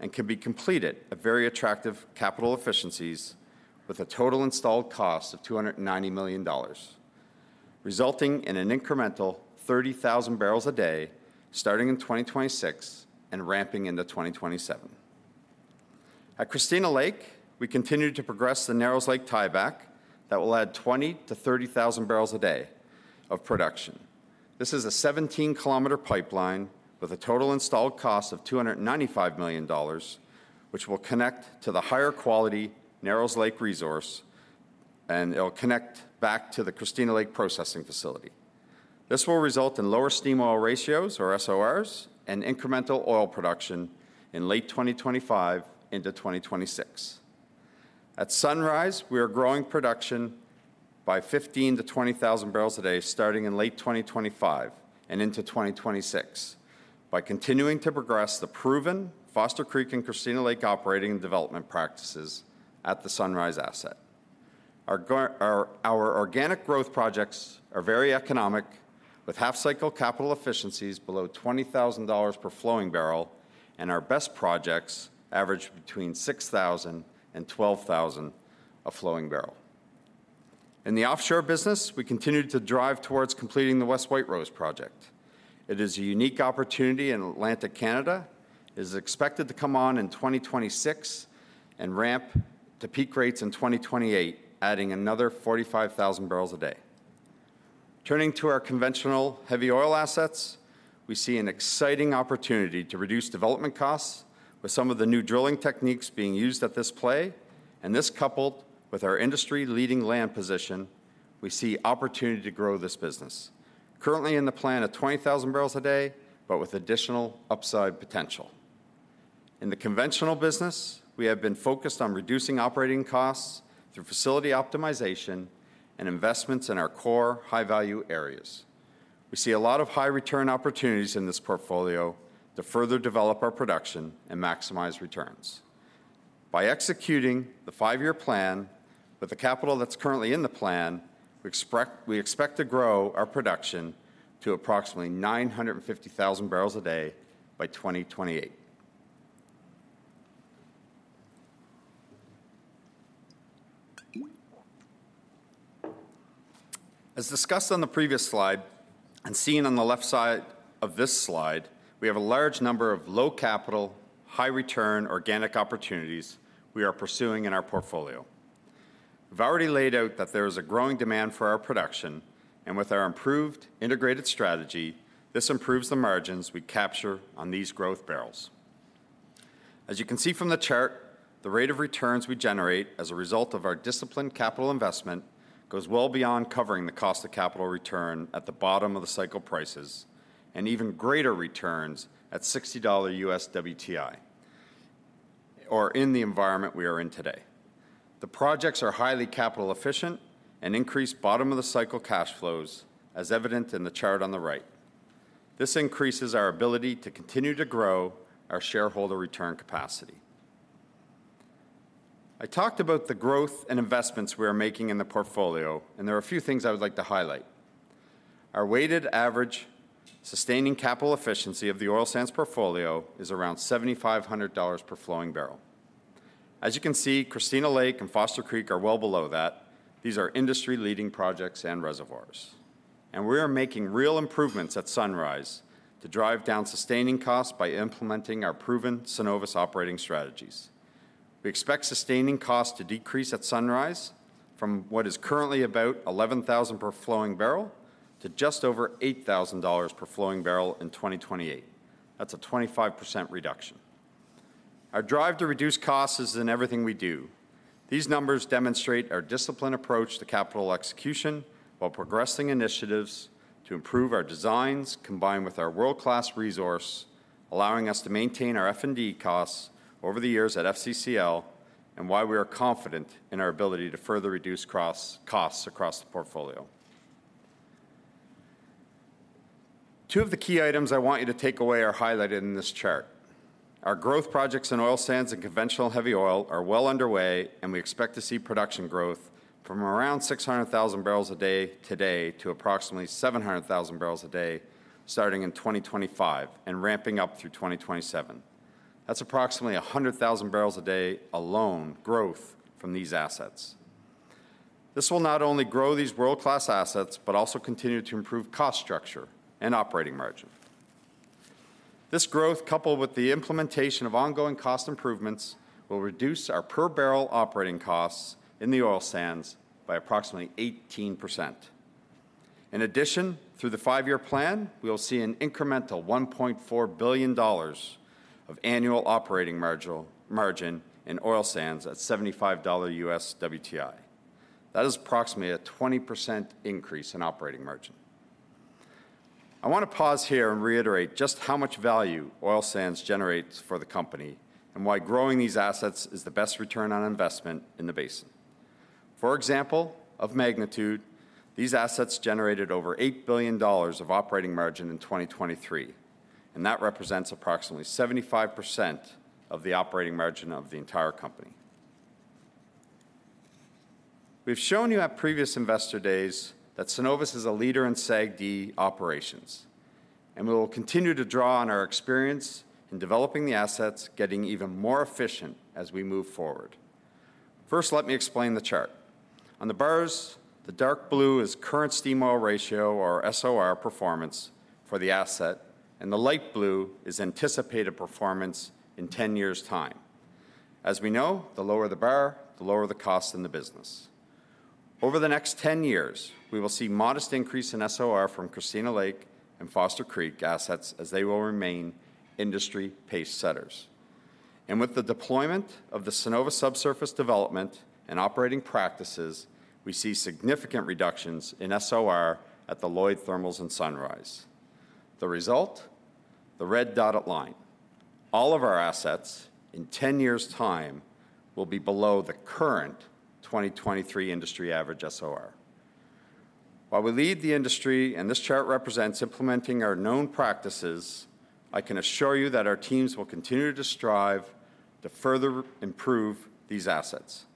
and can be completed at very attractive capital efficiencies with a total installed cost of 290 million dollars, resulting in an incremental 30,000 barrels a day starting in 2026 and ramping into 2027. At Christina Lake, we continue to progress the Narrows Lake tie-back that will add 20,000 to 30,000 barrels a day of production. This is a 17-kilometer pipeline with a total installed cost of 295 million dollars, which will connect to the higher-quality Narrows Lake resource. It'll connect back to the Christina Lake processing facility. This will result in lower steam oil ratios, or SORs, and incremental oil production in late 2025 into 2026. At Sunrise, we are growing production by 15,000-20,000 barrels a day starting in late 2025 and into 2026 by continuing to progress the proven Foster Creek and Christina Lake operating and development practices at the Sunrise asset. Our organic growth projects are very economic, with half-cycle capital efficiencies below $20,000 per flowing barrel. Our best projects average between $6,000 and $12,000 per flowing barrel. In the offshore business, we continue to drive towards completing the West White Rose project. It is a unique opportunity in Atlantic Canada. It is expected to come on in 2026 and ramp to peak rates in 2028, adding another 45,000 barrels a day. Turning to our conventional heavy oil assets, we see an exciting opportunity to reduce development costs with some of the new drilling techniques being used at this play. And this, coupled with our industry-leading land position, we see opportunity to grow this business, currently in the plan at 20,000 barrels a day, but with additional upside potential. In the conventional business, we have been focused on reducing operating costs through facility optimization and investments in our core high-value areas. We see a lot of high-return opportunities in this portfolio to further develop our production and maximize returns. By executing the five-year plan with the capital that's currently in the plan, we expect to grow our production to approximately 950,000 barrels a day by 2028. As discussed on the previous slide and seen on the left side of this slide, we have a large number of low-capital, high-return organic opportunities we are pursuing in our portfolio. We've already laid out that there is a growing demand for our production. With our improved integrated strategy, this improves the margins we capture on these growth barrels. As you can see from the chart, the rate of returns we generate as a result of our disciplined capital investment goes well beyond covering the cost of capital return at the bottom-of-the-cycle prices and even greater returns at $60 US WTI or in the environment we are in today. The projects are highly capital efficient and increase bottom-of-the-cycle cash flows, as evident in the chart on the right. This increases our ability to continue to grow our shareholder return capacity. I talked about the growth and investments we are making in the portfolio. There are a few things I would like to highlight. Our weighted average sustaining capital efficiency of the oil sands portfolio is around 7,500 dollars per flowing barrel. As you can see, Christina Lake and Foster Creek are well below that. These are industry-leading projects and reservoirs. We are making real improvements at Sunrise to drive down sustaining costs by implementing our proven Cenovus operating strategies. We expect sustaining costs to decrease at Sunrise from what is currently about 11,000 per flowing barrel to just over 8,000 dollars per flowing barrel in 2028. That's a 25% reduction. Our drive to reduce costs is in everything we do. These numbers demonstrate our disciplined approach to capital execution while progressing initiatives to improve our designs combined with our world-class resource, allowing us to maintain our F&D costs over the years at FCCL, and why we are confident in our ability to further reduce costs across the portfolio. Two of the key items I want you to take away are highlighted in this chart. Our growth projects in oil sands and conventional heavy oil are well underway. We expect to see production growth from around 600,000 barrels a day today to approximately 700,000 barrels a day starting in 2025 and ramping up through 2027. That's approximately 100,000 barrels a day alone growth from these assets. This will not only grow these world-class assets but also continue to improve cost structure and operating margin. This growth, coupled with the implementation of ongoing cost improvements, will reduce our per-barrel operating costs in the oil sands by approximately 18%. In addition, through the five-year plan, we will see an incremental $1.4 billion of annual operating margin in oil sands at $75 U.S. WTI. That is approximately a 20% increase in operating margin. I want to pause here and reiterate just how much value oil sands generate for the company and why growing these assets is the best return on investment in the basin. For example, of magnitude, these assets generated over $8 billion of operating margin in 2023. That represents approximately 75% of the operating margin of the entire company. We've shown you at previous Investor Days that Cenovus is a leader in SAGD operations. We will continue to draw on our experience in developing the assets, getting even more efficient as we move forward. First, let me explain the chart. On the bars, the dark blue is current steam oil ratio, or SOR, performance for the asset. The light blue is anticipated performance in 10 years' time. As we know, the lower the bar, the lower the cost in the business. Over the next 10 years, we will see modest increase in SOR from Christina Lake and Foster Creek assets as they will remain industry-paced setters. With the deployment of the Cenovus subsurface development and operating practices, we see significant reductions in SOR at the Lloydminster Thermals in Sunrise. The result? The red dotted line. All of our assets, in 10 years' time, will be below the current 2023 industry average SOR. While we lead the industry and this chart represents implementing our known practices, I can assure you that our teams will continue to strive to further improve these assets.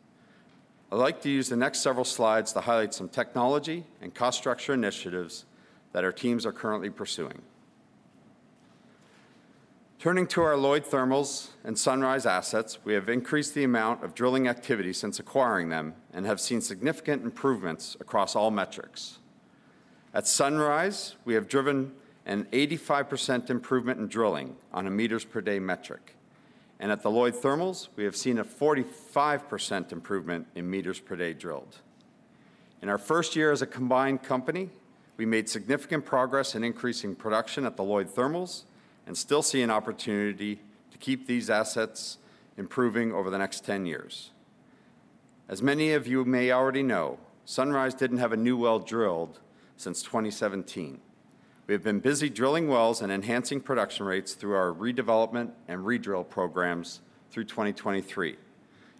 I'd like to use the next several slides to highlight some technology and cost structure initiatives that our teams are currently pursuing. Turning to our Lloyd Thermals in Sunrise assets, we have increased the amount of drilling activity since acquiring them and have seen significant improvements across all metrics. At Sunrise, we have driven an 85% improvement in drilling on a meters per day metric. At the Lloyd Thermals, we have seen a 45% improvement in meters per day drilled. In our first year as a combined company, we made significant progress in increasing production at the Lloyd Thermals and still see an opportunity to keep these assets improving over the next 10 years. As many of you may already know, Sunrise didn't have a new well drilled since 2017. We have been busy drilling wells and enhancing production rates through our redevelopment and redrill programs through 2023.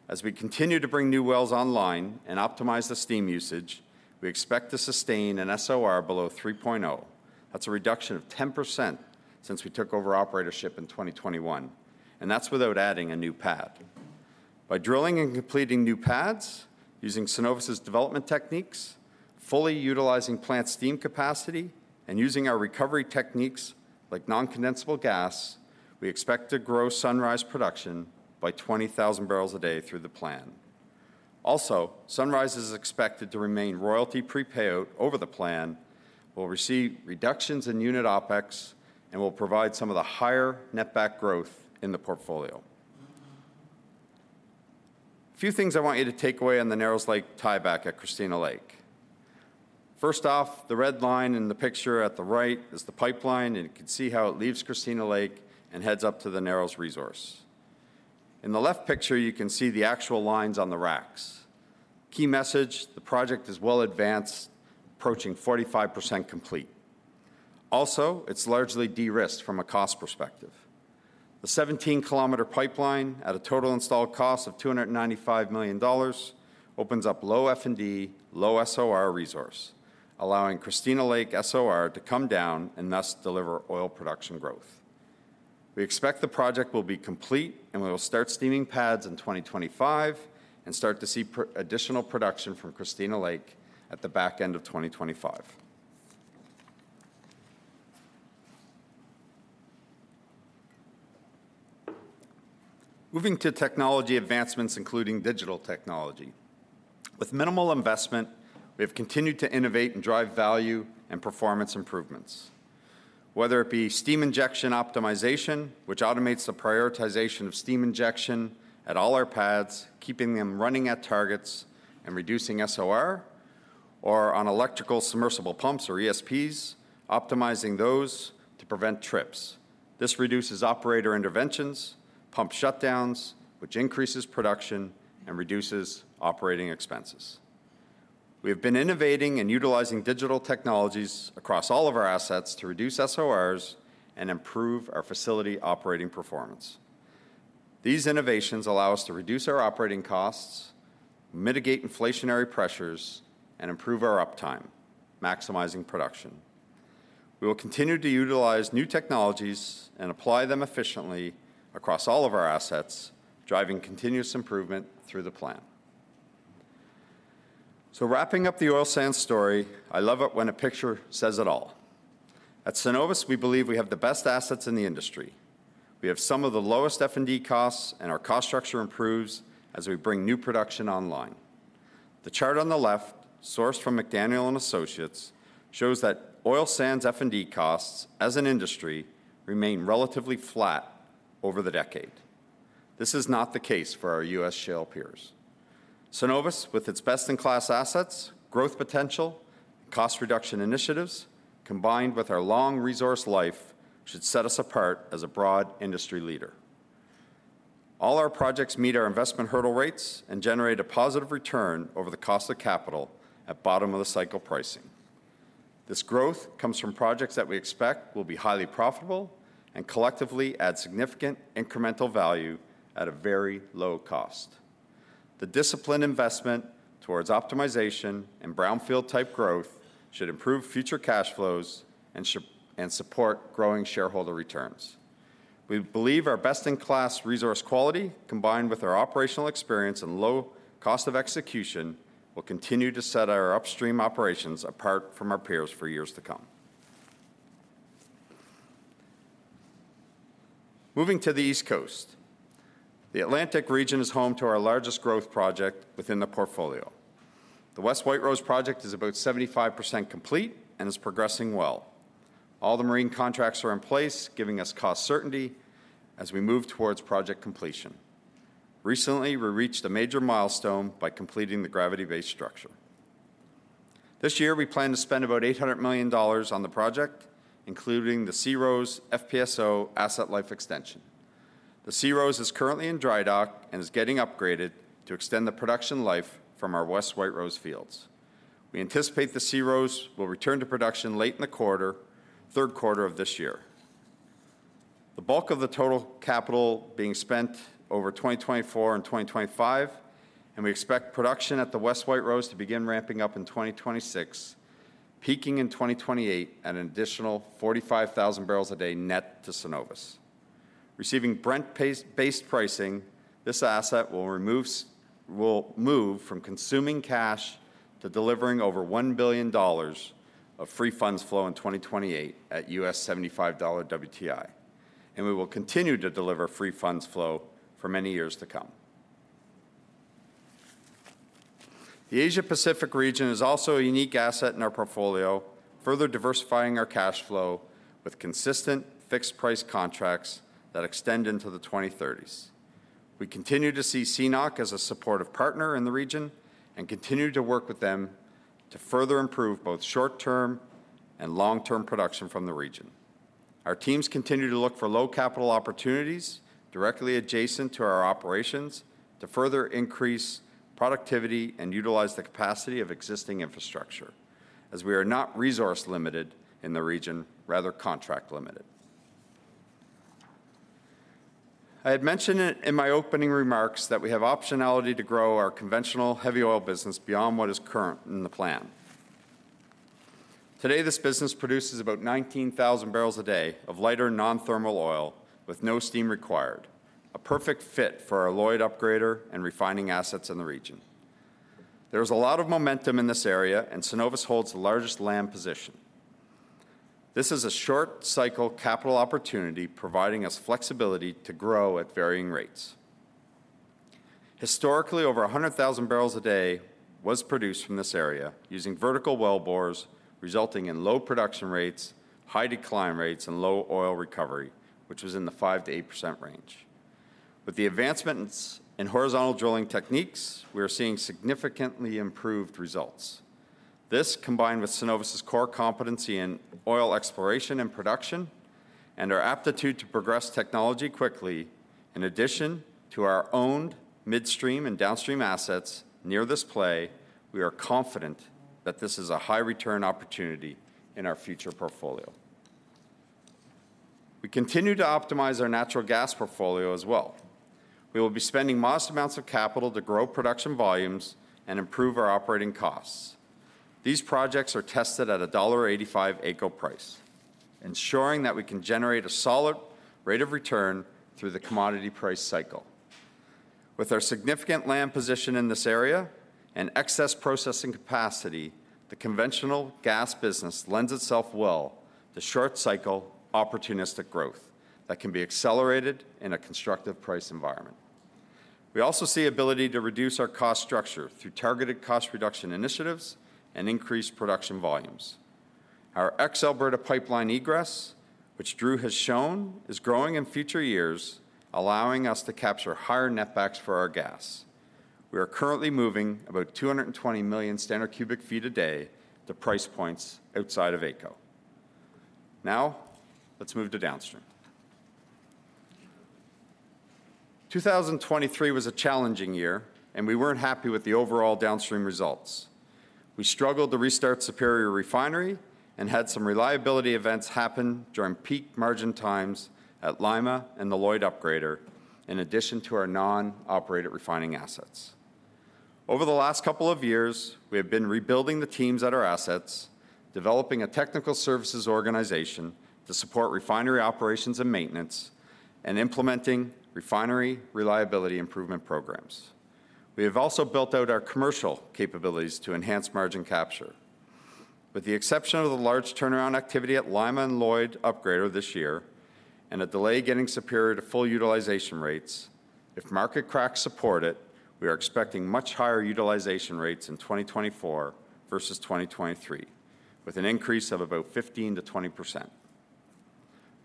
As we continue to bring new wells online and optimize the steam usage, we expect to sustain an SOR below 3.0. That's a reduction of 10% since we took over operatorship in 2021. And that's without adding a new pad. By drilling and completing new pads, using Cenovus's development techniques, fully utilizing plant steam capacity, and using our recovery techniques like non-condensable gas, we expect to grow Sunrise production by 20,000 barrels a day through the plan. Also, Sunrise is expected to remain royalty prepayout over the plan, will receive reductions in unit OpEx, and will provide some of the higher net-back growth in the portfolio. A few things I want you to take away on the Narrows Lake tie-back at Christina Lake. First off, the red line in the picture at the right is the pipeline. You can see how it leaves Christina Lake and heads up to the Narrows resource. In the left picture, you can see the actual lines on the racks. Key message: the project is well advanced, approaching 45% complete. Also, it's largely de-risked from a cost perspective. The 17-kilometer pipeline, at a total installed cost of 295 million dollars, opens up low F&D, low SOR resource, allowing Christina Lake SOR to come down and thus deliver oil production growth. We expect the project will be complete. We will start steaming pads in 2025 and start to see additional production from Christina Lake at the back end of 2025. Moving to technology advancements, including digital technology. With minimal investment, we have continued to innovate and drive value and performance improvements, whether it be steam injection optimization, which automates the prioritization of steam injection at all our pads, keeping them running at targets and reducing SOR, or on electrical submersible pumps, or ESPs, optimizing those to prevent trips. This reduces operator interventions, pump shutdowns, which increases production and reduces operating expenses. We have been innovating and utilizing digital technologies across all of our assets to reduce SORs and improve our facility operating performance. These innovations allow us to reduce our operating costs, mitigate inflationary pressures, and improve our uptime, maximizing production. We will continue to utilize new technologies and apply them efficiently across all of our assets, driving continuous improvement through the plan. So wrapping up the oil sands story, I love it when a picture says it all. At Cenovus, we believe we have the best assets in the industry. We have some of the lowest F&D costs. Our cost structure improves as we bring new production online. The chart on the left, sourced from McDaniel & Associates, shows that oil sands F&D costs, as an industry, remain relatively flat over the decade. This is not the case for our U.S. shale peers. Cenovus, with its best-in-class assets, growth potential, and cost reduction initiatives, combined with our long resource life, should set us apart as a broad industry leader. All our projects meet our investment hurdle rates and generate a positive return over the cost of capital at bottom-of-the-cycle pricing. This growth comes from projects that we expect will be highly profitable and collectively add significant incremental value at a very low cost. The disciplined investment towards optimization and brownfield-type growth should improve future cash flows and support growing shareholder returns. We believe our best-in-class resource quality, combined with our operational experience and low cost of execution, will continue to set our upstream operations apart from our peers for years to come. Moving to the East Coast. The Atlantic region is home to our largest growth project within the portfolio. The West White Rose project is about 75% complete and is progressing well. All the marine contracts are in place, giving us cost certainty as we move towards project completion. Recently, we reached a major milestone by completing the gravity-based structure. This year, we plan to spend about $800 million on the project, including the SeaRose FPSO asset life extension. The Sea Rose is currently in dry dock and is getting upgraded to extend the production life from our West White Rose fields. We anticipate the SeaRose will return to production late in the third quarter of this year, the bulk of the total capital being spent over 2024 and 2025. We expect production at the West White Rose to begin ramping up in 2026, peaking in 2028 at an additional 45,000 barrels a day net to Cenovus. Receiving Brent-based pricing, this asset will move from consuming cash to delivering over $1 billion of free funds flow in 2028 at $75 WTI. We will continue to deliver free funds flow for many years to come. The Asia-Pacific region is also a unique asset in our portfolio, further diversifying our cash flow with consistent fixed-price contracts that extend into the 2030s. We continue to see CNOOC as a supportive partner in the region and continue to work with them to further improve both short-term and long-term production from the region. Our teams continue to look for low-capital opportunities directly adjacent to our operations to further increase productivity and utilize the capacity of existing infrastructure, as we are not resource-limited in the region, rather contract-limited. I had mentioned in my opening remarks that we have optionality to grow our conventional heavy oil business beyond what is current in the plan. Today, this business produces about 19,000 barrels a day of lighter non-thermal oil with no steam required, a perfect fit for our Lloyd upgrader and refining assets in the region. There is a lot of momentum in this area. Cenovus holds the largest land position. This is a short-cycle capital opportunity, providing us flexibility to grow at varying rates. Historically, over 100,000 barrels a day was produced from this area using vertical well bores, resulting in low production rates, high decline rates, and low oil recovery, which was in the 5%-8% range. With the advancements in horizontal drilling techniques, we are seeing significantly improved results. This, combined with Cenovus's core competency in oil exploration and production and our aptitude to progress technology quickly, in addition to our owned midstream and downstream assets near this play, we are confident that this is a high-return opportunity in our future portfolio. We continue to optimize our natural gas portfolio as well. We will be spending modest amounts of capital to grow production volumes and improve our operating costs. These projects are tested at a dollar 1.85 AECO price, ensuring that we can generate a solid rate of return through the commodity price cycle. With our significant land position in this area and excess processing capacity, the conventional gas business lends itself well to short-cycle opportunistic growth that can be accelerated in a constructive price environment. We also see the ability to reduce our cost structure through targeted cost reduction initiatives and increase production volumes. Our Ex-Alberta pipeline egress, which Drew has shown, is growing in future years, allowing us to capture higher netbacks for our gas. We are currently moving about 220 million standard cubic feet a day to price points outside of AECO. Now, let's move to downstream. 2023 was a challenging year. We weren't happy with the overall downstream results. We struggled to restart Superior Refinery and had some reliability events happen during peak margin times at Lima and the Lloydminster upgrader, in addition to our non-operated refining assets. Over the last couple of years, we have been rebuilding the teams at our assets, developing a technical services organization to support refinery operations and maintenance, and implementing refinery reliability improvement programs. We have also built out our commercial capabilities to enhance margin capture. With the exception of the large turnaround activity at Lima and Lloydminster upgrader this year and a delay getting Superior to full utilization rates, if market cracks support it, we are expecting much higher utilization rates in 2024 versus 2023, with an increase of about 15%-20%.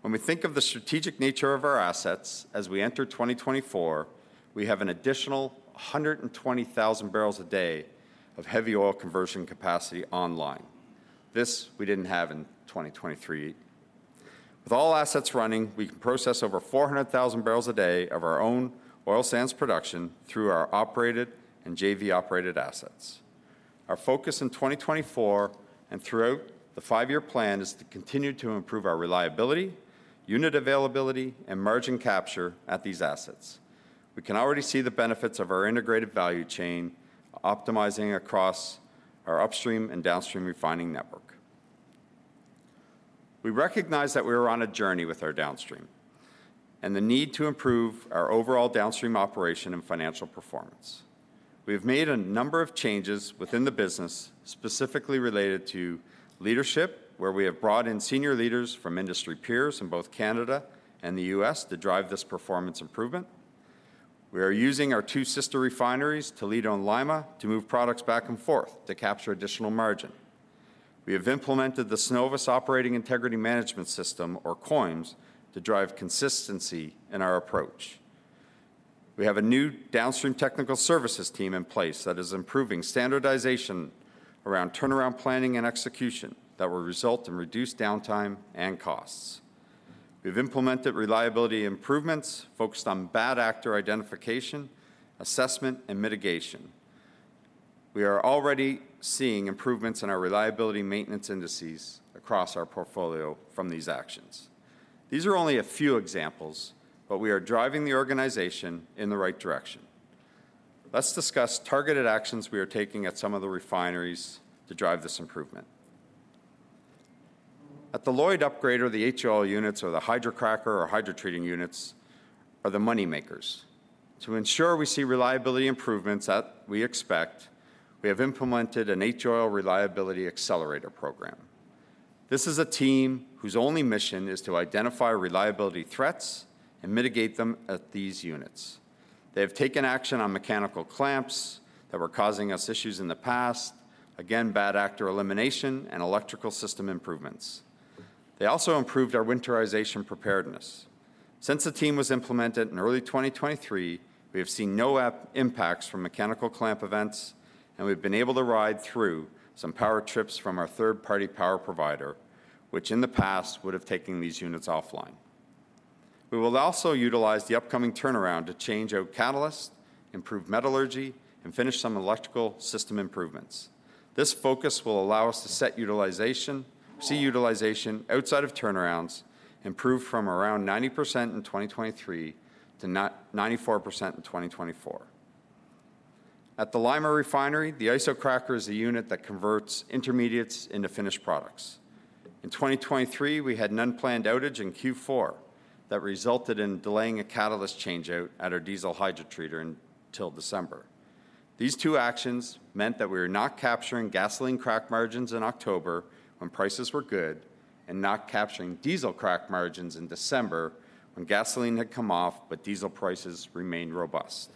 When we think of the strategic nature of our assets as we enter 2024, we have an additional 120,000 barrels a day of heavy oil conversion capacity online. This we didn't have in 2023. With all assets running, we can process over 400,000 barrels a day of our own oil sands production through our operated and JV-operated assets. Our focus in 2024 and throughout the five-year plan is to continue to improve our reliability, unit availability, and margin capture at these assets. We can already see the benefits of our integrated value chain optimizing across our upstream and downstream refining network. We recognize that we are on a journey with our downstream and the need to improve our overall downstream operation and financial performance. We have made a number of changes within the business specifically related to leadership, where we have brought in senior leaders from industry peers in both Canada and the U.S. to drive this performance improvement. We are using our two sister refineries to lead on Lima to move products back and forth to capture additional margin. We have implemented the Cenovus Operations Integrity Management System, or COIMS, to drive consistency in our approach. We have a new downstream technical services team in place that is improving standardization around turnaround planning and execution that will result in reduced downtime and costs. We have implemented reliability improvements focused on bad actor identification, assessment, and mitigation. We are already seeing improvements in our reliability maintenance indices across our portfolio from these actions. These are only a few examples. But we are driving the organization in the right direction. Let's discuss targeted actions we are taking at some of the refineries to drive this improvement. At the Lloyd upgrader, the H-Oil units, or the hydrocracker or hydrotreating units, are the moneymakers. To ensure we see reliability improvements that we expect, we have implemented an H-Oil reliability accelerator program. This is a team whose only mission is to identify reliability threats and mitigate them at these units. They have taken action on mechanical clamps that were causing us issues in the past, again, bad actor elimination and electrical system improvements. They also improved our winterization preparedness. Since the team was implemented in early 2023, we have seen no impacts from mechanical clamp events. We have been able to ride through some power trips from our third-party power provider, which in the past would have taken these units offline. We will also utilize the upcoming turnaround to change out catalyst, improve metallurgy, and finish some electrical system improvements. This focus will allow us to set utilization, see utilization outside of turnarounds, improve from around 90% in 2023 to 94% in 2024. At the Lima refinery, the Isocracker is a unit that converts intermediates into finished products. In 2023, we had an unplanned outage in Q4 that resulted in delaying a catalyst changeout at our diesel hydrotreater until December. These two actions meant that we were not capturing gasoline crack margins in October when prices were good and not capturing diesel crack margins in December when gasoline had come off but diesel prices remained robust.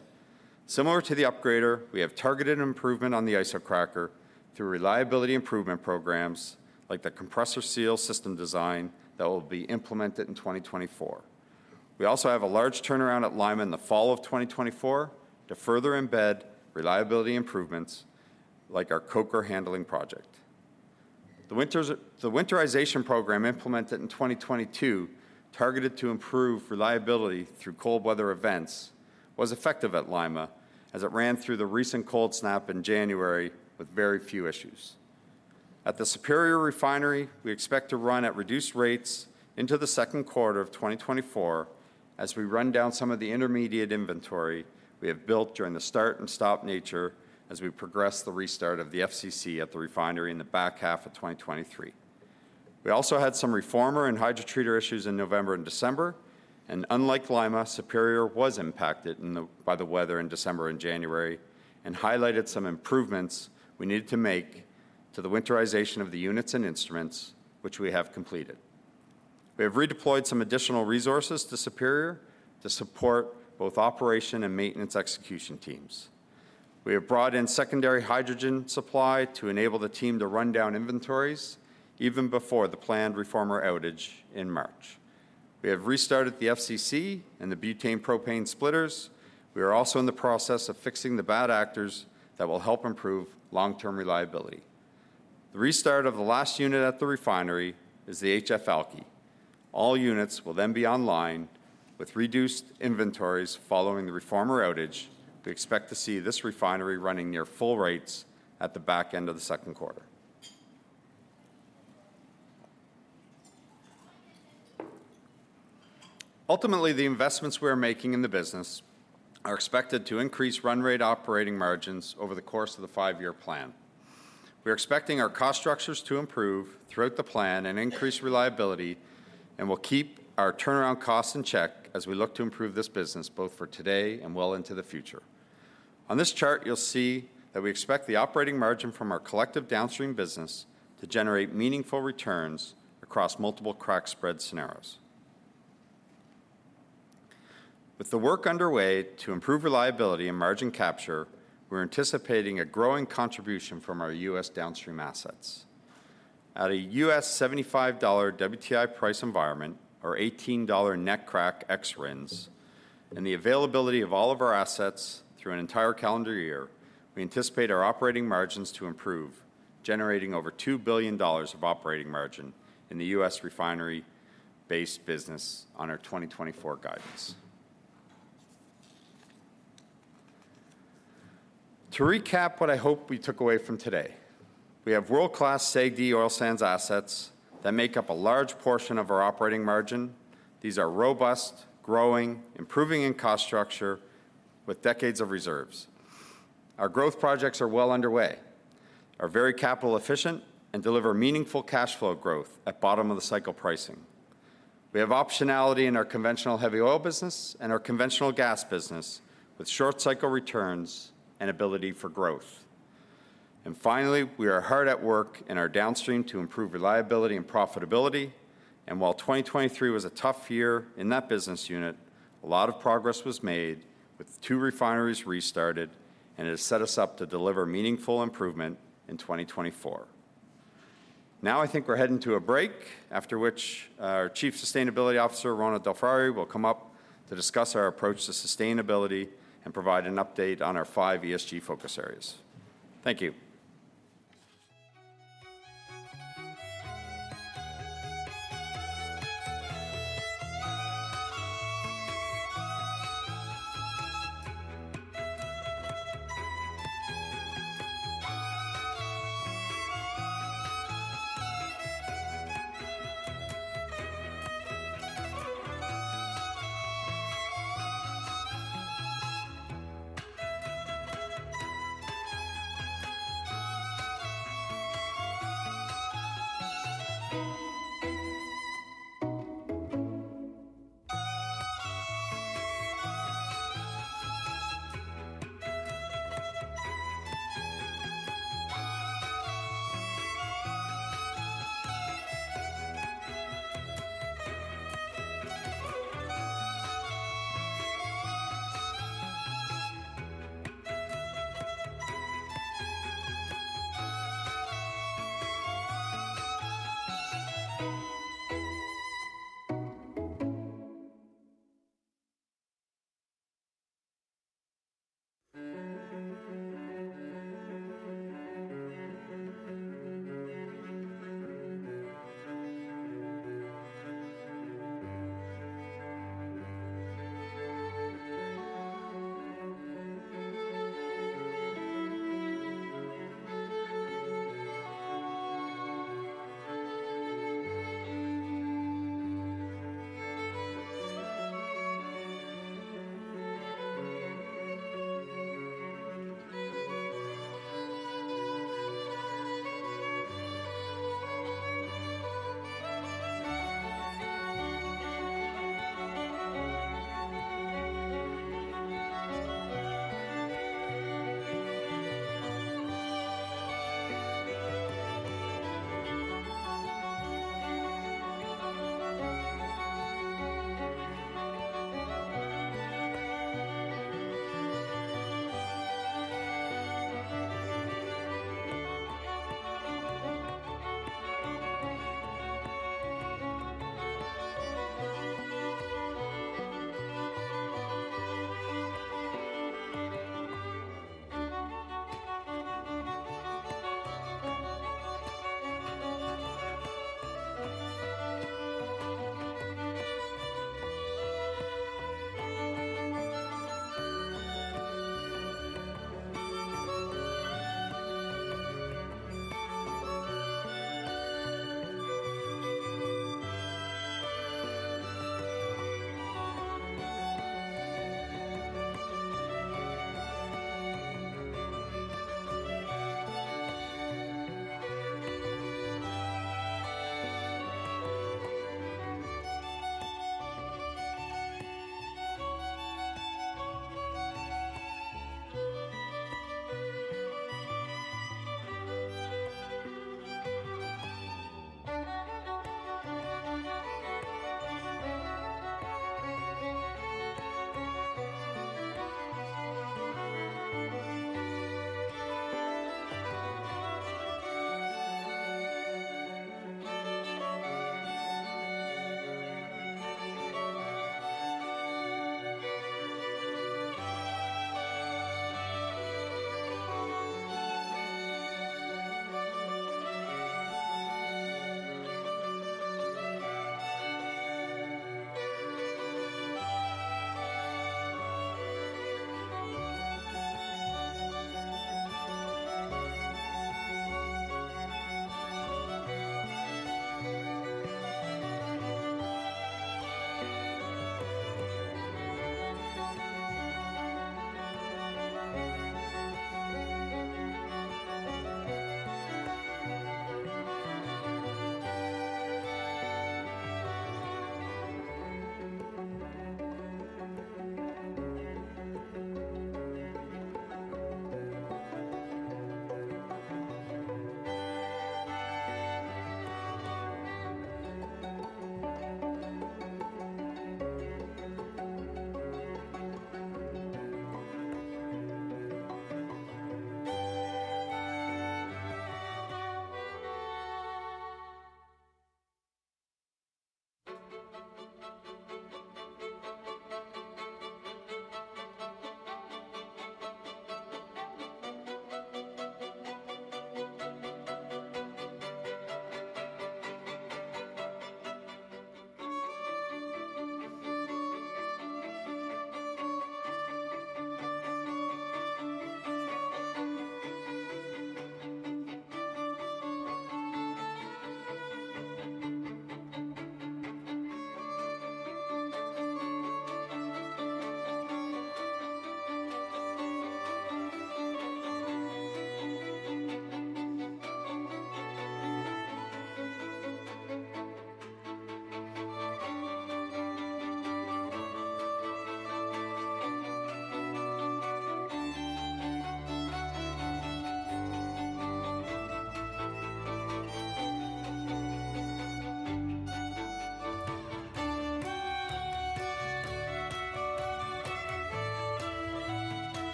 Similar to the upgrader, we have targeted improvement on the Isocracker through reliability improvement programs like the compressor seal system design that will be implemented in 2024. We also have a large turnaround at Lima in the fall of 2024 to further embed reliability improvements like our Coker handling project. The winterization program implemented in 2022, targeted to improve reliability through cold weather events, was effective at Lima as it ran through the recent cold snap in January with very few issues. At the Superior refinery, we expect to run at reduced rates into the second quarter of 2024 as we run down some of the intermediate inventory we have built during the start and stop nature as we progress the restart of the FCC at the refinery in the back half of 2023. We also had some reformer and hydrotreater issues in November and December. Unlike Lima, Superior was impacted by the weather in December and January and highlighted some improvements we needed to make to the winterization of the units and instruments, which we have completed. We have redeployed some additional resources to Superior to support both operation and maintenance execution teams. We have brought in secondary hydrogen supply to enable the team to run down inventories even before the planned reformer outage in March. We have restarted the FCC and the butane-propane splitters. We are also in the process of fixing the bad actors that will help improve long-term reliability. The restart of the last unit at the refinery is the HF Alkylation. All units will then be online with reduced inventories following the reformer outage. We expect to see this refinery running near full rates at the back end of the second quarter. Ultimately, the investments we are making in the business are expected to increase run-rate operating margins over the course of the five-year plan. We are expecting our cost structures to improve throughout the plan and increase reliability. And we'll keep our turnaround costs in check as we look to improve this business both for today and well into the future. On this chart, you'll see that we expect the operating margin from our collective downstream business to generate meaningful returns across multiple crack spread scenarios. With the work underway to improve reliability and margin capture, we're anticipating a growing contribution from our US downstream assets. At a US $75 WTI price environment, or $18 net crack ex-RINs, and the availability of all of our assets through an entire calendar year, we anticipate our operating margins to improve, generating over $2 billion of operating margin in the US refinery-based business on our 2024 guidance. To recap what I hope we took away from today, we have world-class SAGD oil sands assets that make up a large portion of our operating margin. These are robust, growing, improving in cost structure with decades of reserves. Our growth projects are well underway, are very capital-efficient, and deliver meaningful cash flow growth at bottom of the cycle pricing. We have optionality in our conventional heavy oil business and our conventional gas business with short-cycle returns and ability for growth. And finally, we are hard at work in our downstream to improve reliability and profitability. While 2023 was a tough year in that business unit, a lot of progress was made with two refineries restarted. And it has set us up to deliver meaningful improvement in 2024. Now, I think we're heading to a break, after which our Chief Sustainability Officer, Rhona DelFrari, will come up to discuss our approach to sustainability and provide an update on our five ESG focus areas. Thank you.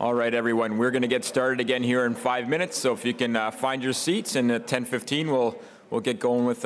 All right, everyone, we're going to get started again here in five minutes. So if you can find your seats in the 10:15, we'll get going with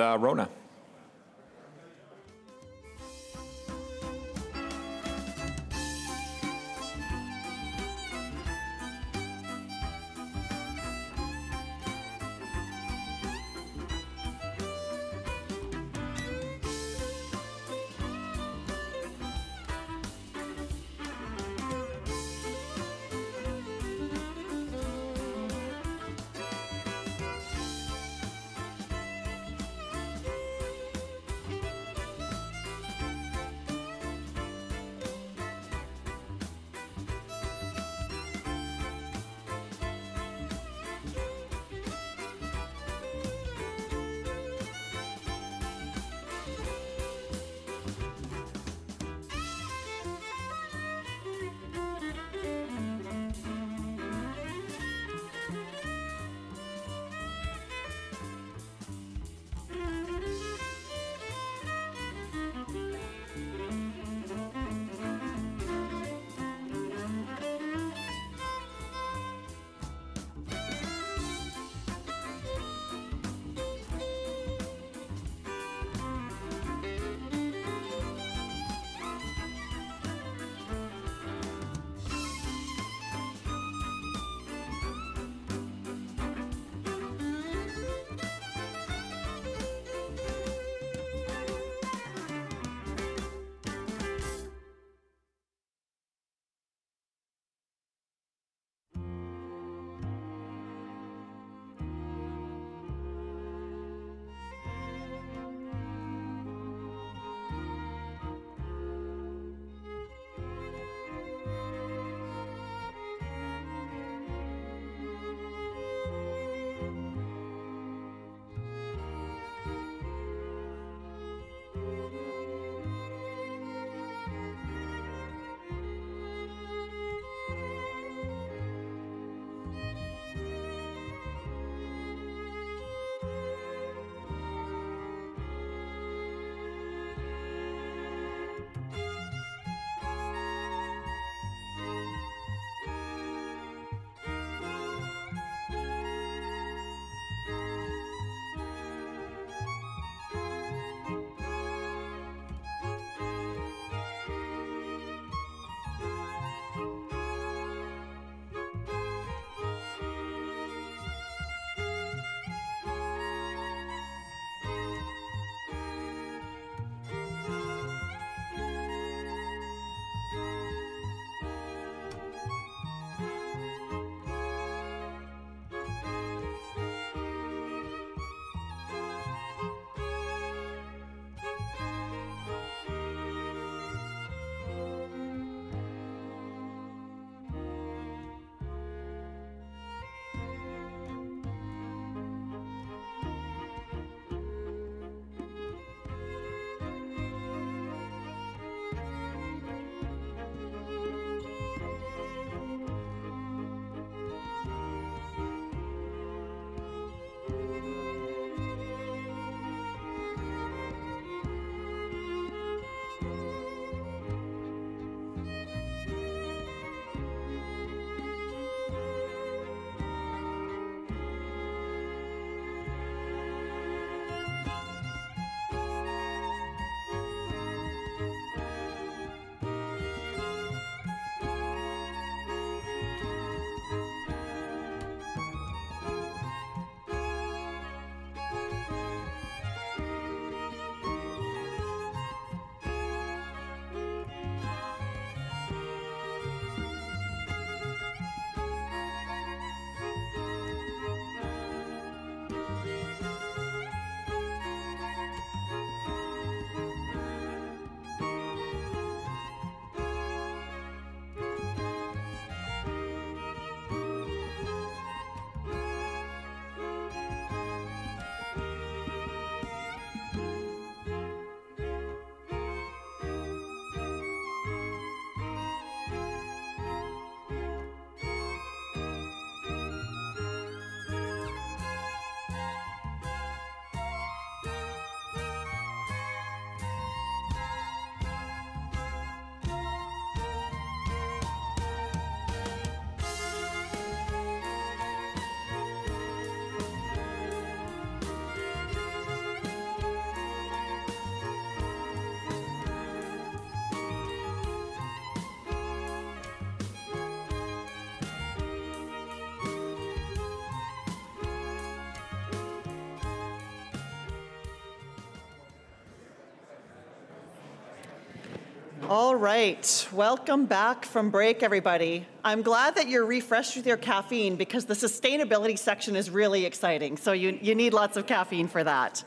Rhona. All right. Welcome back from break, everybody. I'm glad that you're refreshed with your caffeine because the sustainability section is really exciting. So you need lots of caffeine for that.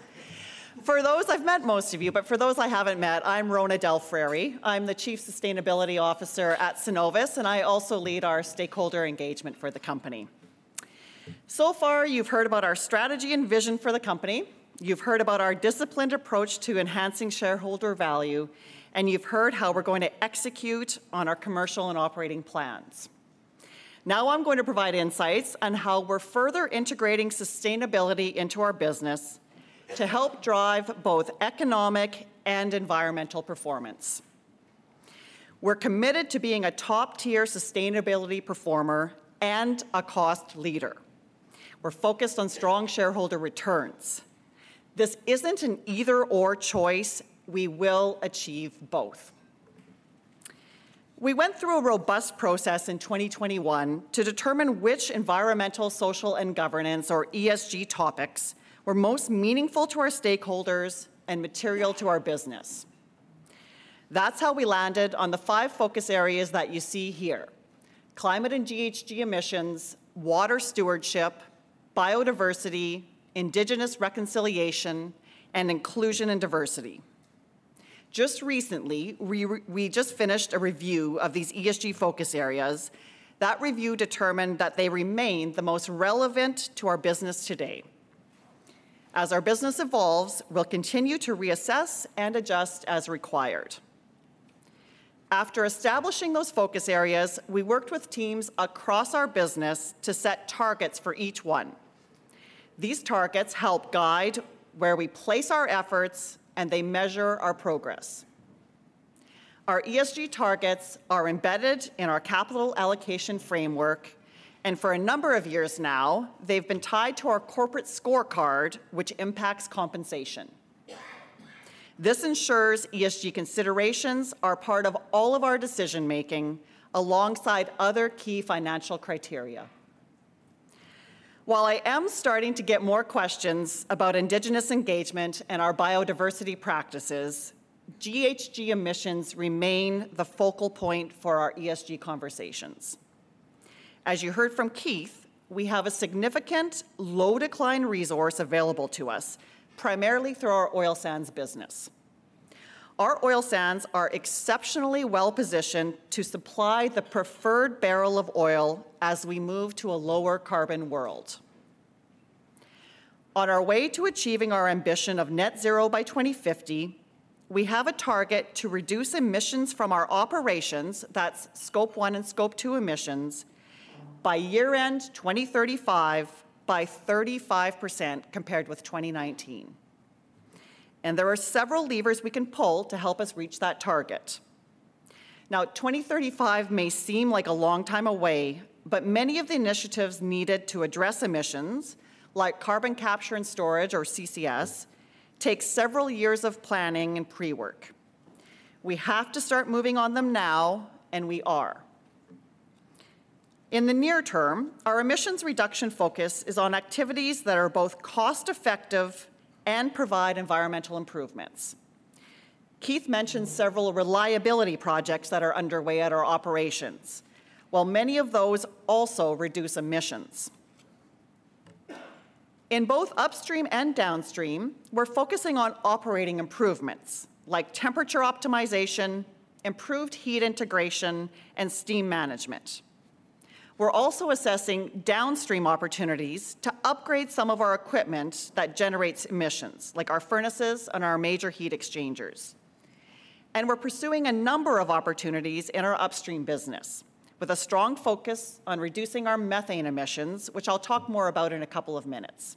For those I've met, most of you, but for those I haven't met, I'm Rhona DelFrari. I'm the Chief Sustainability Officer at Cenovus, and I also lead our stakeholder engagement for the company. So far, you've heard about our strategy and vision for the company. You've heard about our disciplined approach to enhancing shareholder value, and you've heard how we're going to execute on our commercial and operating plans. Now I'm going to provide insights on how we're further integrating sustainability into our business to help drive both economic and environmental performance. We're committed to being a top-tier sustainability performer and a cost leader. We're focused on strong shareholder returns. This isn't an either/or choice. We will achieve both. We went through a robust process in 2021 to determine which environmental, social, and governance, or ESG topics, were most meaningful to our stakeholders and material to our business. That's how we landed on the five focus areas that you see here: climate and GHG emissions, water stewardship, biodiversity, Indigenous reconciliation, and inclusion and diversity. Just recently, we just finished a review of these ESG focus areas. That review determined that they remain the most relevant to our business today. As our business evolves, we'll continue to reassess and adjust as required. After establishing those focus areas, we worked with teams across our business to set targets for each one. These targets help guide where we place our efforts, and they measure our progress. Our ESG targets are embedded in our capital allocation framework, and for a number of years now, they've been tied to our corporate scorecard, which impacts compensation. This ensures ESG considerations are part of all of our decision-making alongside other key financial criteria. While I am starting to get more questions about Indigenous engagement and our biodiversity practices, GHG emissions remain the focal point for our ESG conversations. As you heard from Keith, we have a significant low-decline resource available to us, primarily through our oil sands business. Our oil sands are exceptionally well-positioned to supply the preferred barrel of oil as we move to a lower-carbon world. On our way to achieving our ambition of net zero by 2050, we have a target to reduce emissions from our operations, that's Scope 1 and Scope 2 emissions, by year-end 2035 by 35% compared with 2019. And there are several levers we can pull to help us reach that target. Now, 2035 may seem like a long time away, but many of the initiatives needed to address emissions, like carbon capture and storage, or CCS, take several years of planning and pre-work. We have to start moving on them now, and we are. In the near term, our emissions reduction focus is on activities that are both cost-effective and provide environmental improvements. Keith mentioned several reliability projects that are underway at our operations, while many of those also reduce emissions. In both upstream and downstream, we're focusing on operating improvements, like temperature optimization, improved heat integration, and steam management. We're also assessing downstream opportunities to upgrade some of our equipment that generates emissions, like our furnaces and our major heat exchangers. And we're pursuing a number of opportunities in our upstream business with a strong focus on reducing our methane emissions, which I'll talk more about in a couple of minutes.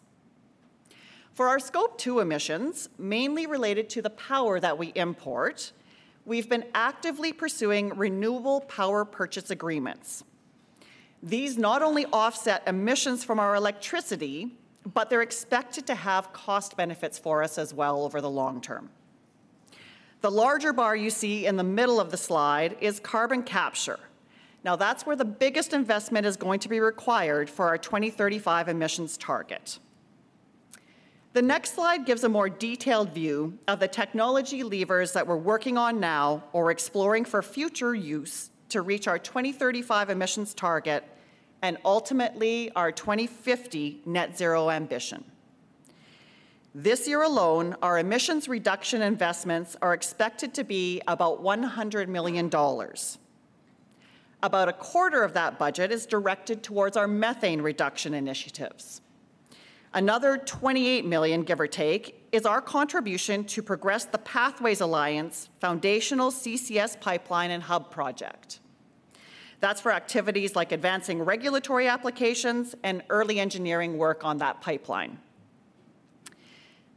For our Scope 2 emissions, mainly related to the power that we import, we've been actively pursuing renewable power purchase agreements. These not only offset emissions from our electricity, but they're expected to have cost benefits for us as well over the long term. The larger bar you see in the middle of the slide is carbon capture. Now, that's where the biggest investment is going to be required for our 2035 emissions target. The next slide gives a more detailed view of the technology levers that we're working on now or exploring for future use to reach our 2035 emissions target and ultimately our 2050 net zero ambition. This year alone, our emissions reduction investments are expected to be about $100 million. About a quarter of that budget is directed towards our methane reduction initiatives. Another $28 million, give or take, is our contribution to progressing the Pathways Alliance Foundational CCS Pipeline and Hub Project. That's for activities like advancing regulatory applications and early engineering work on that pipeline.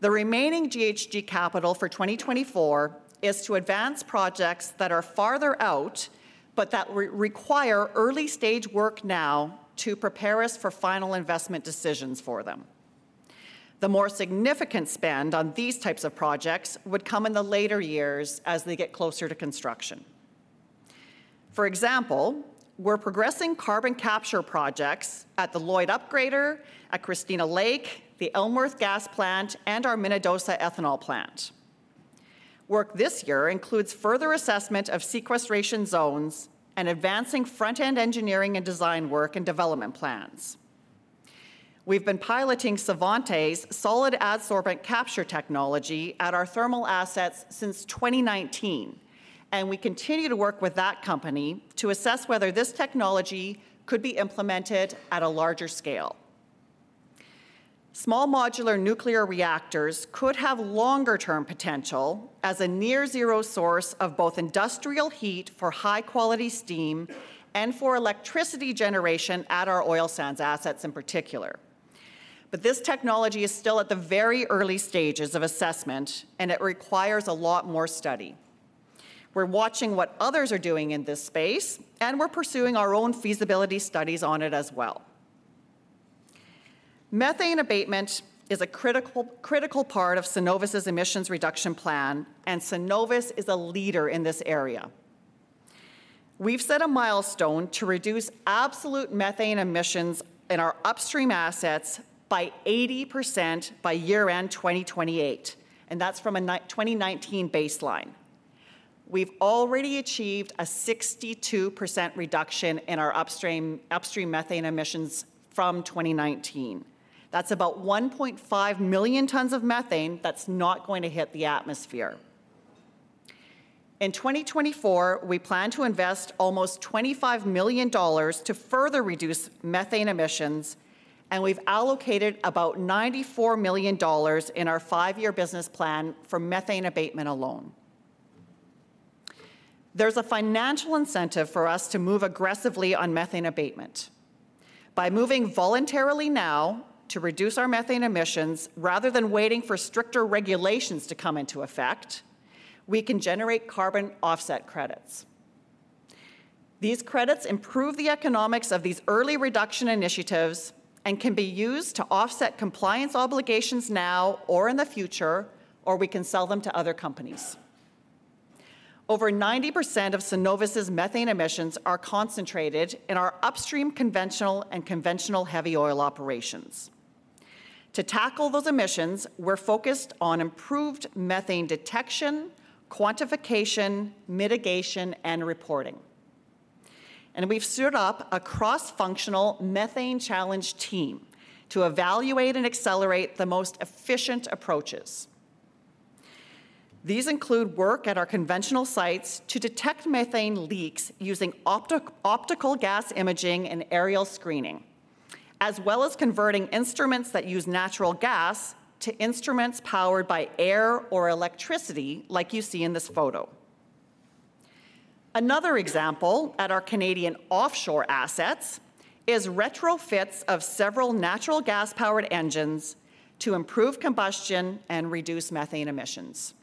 The remaining GHG capital for 2024 is to advance projects that are farther out but that require early-stage work now to prepare us for final investment decisions for them. The more significant spend on these types of projects would come in the later years as they get closer to construction. For example, we're progressing carbon capture projects at the Lloyd Upgrader, at Christina Lake, the Elmworth Gas Plant, and our Minnedosa Ethanol Plant. Work this year includes further assessment of sequestration zones and advancing front-end engineering and design work and development plans. We've been piloting Svante's solid adsorbent capture technology at our thermal assets since 2019, and we continue to work with that company to assess whether this technology could be implemented at a larger scale. Small modular nuclear reactors could have longer-term potential as a near-zero source of both industrial heat for high-quality steam and for electricity generation at our oil sands assets in particular. But this technology is still at the very early stages of assessment, and it requires a lot more study. We're watching what others are doing in this space, and we're pursuing our own feasibility studies on it as well. Methane abatement is a critical part of Cenovus's emissions reduction plan, and Cenovus is a leader in this area. We've set a milestone to reduce absolute methane emissions in our upstream assets by 80% by year-end 2028, and that's from a 2019 baseline. We've already achieved a 62% reduction in our upstream methane emissions from 2019. That's about 1.5 million tons of methane that's not going to hit the atmosphere. In 2024, we plan to invest almost 25 million dollars to further reduce methane emissions, and we've allocated about 94 million dollars in our five-year business plan for methane abatement alone. There's a financial incentive for us to move aggressively on methane abatement. By moving voluntarily now to reduce our methane emissions rather than waiting for stricter regulations to come into effect, we can generate carbon offset credits. These credits improve the economics of these early reduction initiatives and can be used to offset compliance obligations now or in the future, or we can sell them to other companies. Over 90% of Cenovus's methane emissions are concentrated in our upstream conventional and conventional heavy oil operations. To tackle those emissions, we're focused on improved methane detection, quantification, mitigation, and reporting. We've stood up a cross-functional methane challenge team to evaluate and accelerate the most efficient approaches. These include work at our conventional sites to detect methane leaks using optical gas imaging and aerial screening, as well as converting instruments that use natural gas to instruments powered by air or electricity, like you see in this photo. Another example at our Canadian offshore assets is retrofits of several natural gas-powered engines to improve combustion and reduce methane emissions.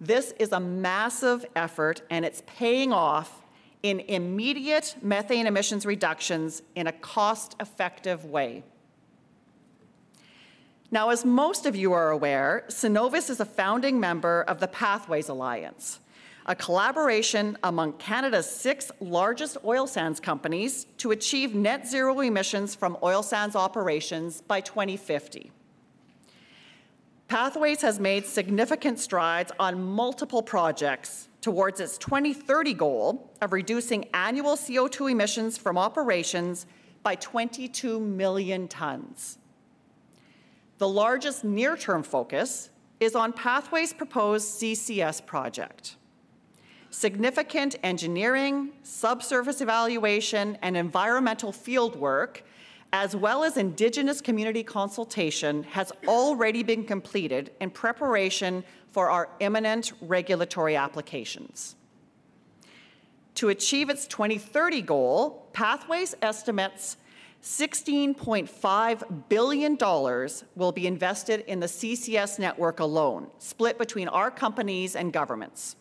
This is a massive effort, and it's paying off in immediate methane emissions reductions in a cost-effective way. Now, as most of you are aware, Cenovus is a founding member of the Pathways Alliance, a collaboration among Canada's six largest oil sands companies to achieve net zero emissions from oil sands operations by 2050. Pathways has made significant strides on multiple projects towards its 2030 goal of reducing annual CO2 emissions from operations by 22 million tons. The largest near-term focus is on Pathways' proposed CCS project. Significant engineering, subsurface evaluation, and environmental fieldwork, as well as Indigenous community consultation, has already been completed in preparation for our imminent regulatory applications. To achieve its 2030 goal, Pathways estimates 16.5 billion dollars will be invested in the CCS network alone, split between our companies and governments.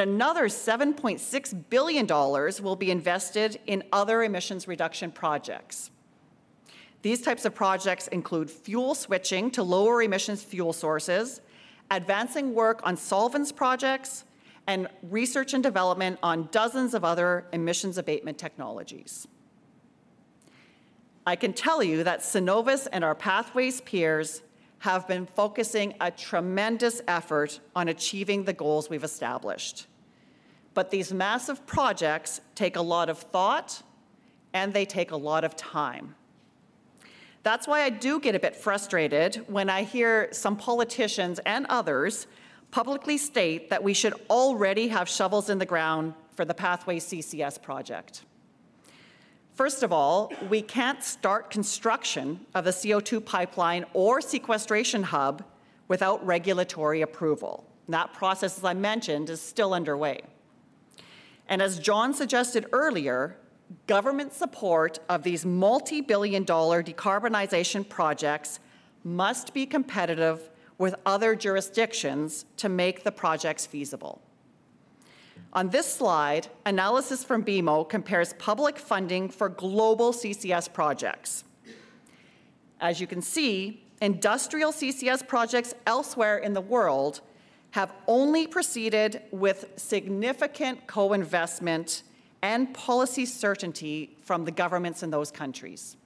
Another 7.6 billion dollars will be invested in other emissions reduction projects. These types of projects include fuel switching to lower emissions fuel sources, advancing work on solvents projects, and research and development on dozens of other emissions abatement technologies. I can tell you that Cenovus and our Pathways peers have been focusing a tremendous effort on achieving the goals we've established. But these massive projects take a lot of thought, and they take a lot of time. That's why I do get a bit frustrated when I hear some politicians and others publicly state that we should already have shovels in the ground for the Pathways CCS project. First of all, we can't start construction of a CO2 pipeline or sequestration hub without regulatory approval. And that process, as I mentioned, is still underway. And as John suggested earlier, government support of these multibillion-dollar decarbonization projects must be competitive with other jurisdictions to make the projects feasible. On this slide, analysis from BMO compares public funding for global CCS projects. As you can see, industrial CCS projects elsewhere in the world have only proceeded with significant co-investment and policy certainty from the governments in those countries.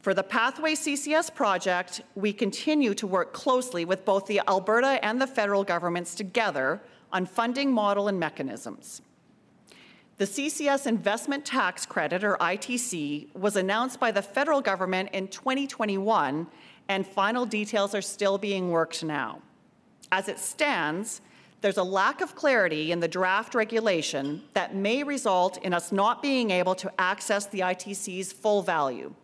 For the Pathways CCS project, we continue to work closely with both the Alberta and the federal governments together on funding model and mechanisms. The CCS Investment Tax Credit, or ITC, was announced by the federal government in 2021, and final details are still being worked now. As it stands, there's a lack of clarity in the draft regulation that may result in us not being able to access the ITC's full value.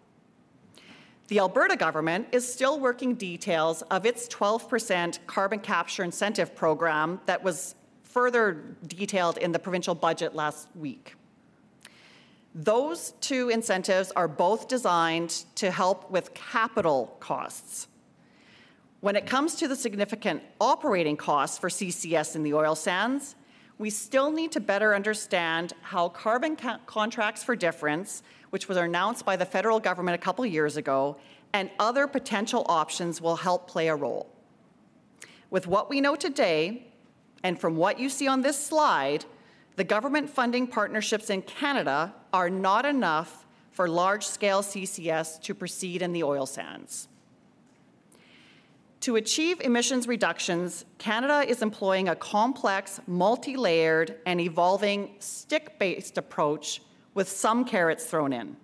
The Alberta government is still working details of its 12% carbon capture incentive program that was further detailed in the provincial budget last week. Those two incentives are both designed to help with capital costs. When it comes to the significant operating costs for CCS in the oil sands, we still need to better understand how carbon contracts for difference, which were announced by the federal government a couple of years ago, and other potential options will help play a role. With what we know today and from what you see on this slide, the government funding partnerships in Canada are not enough for large-scale CCS to proceed in the oil sands. To achieve emissions reductions, Canada is employing a complex, multi-layered, and evolving stick-based approach with some carrots thrown in.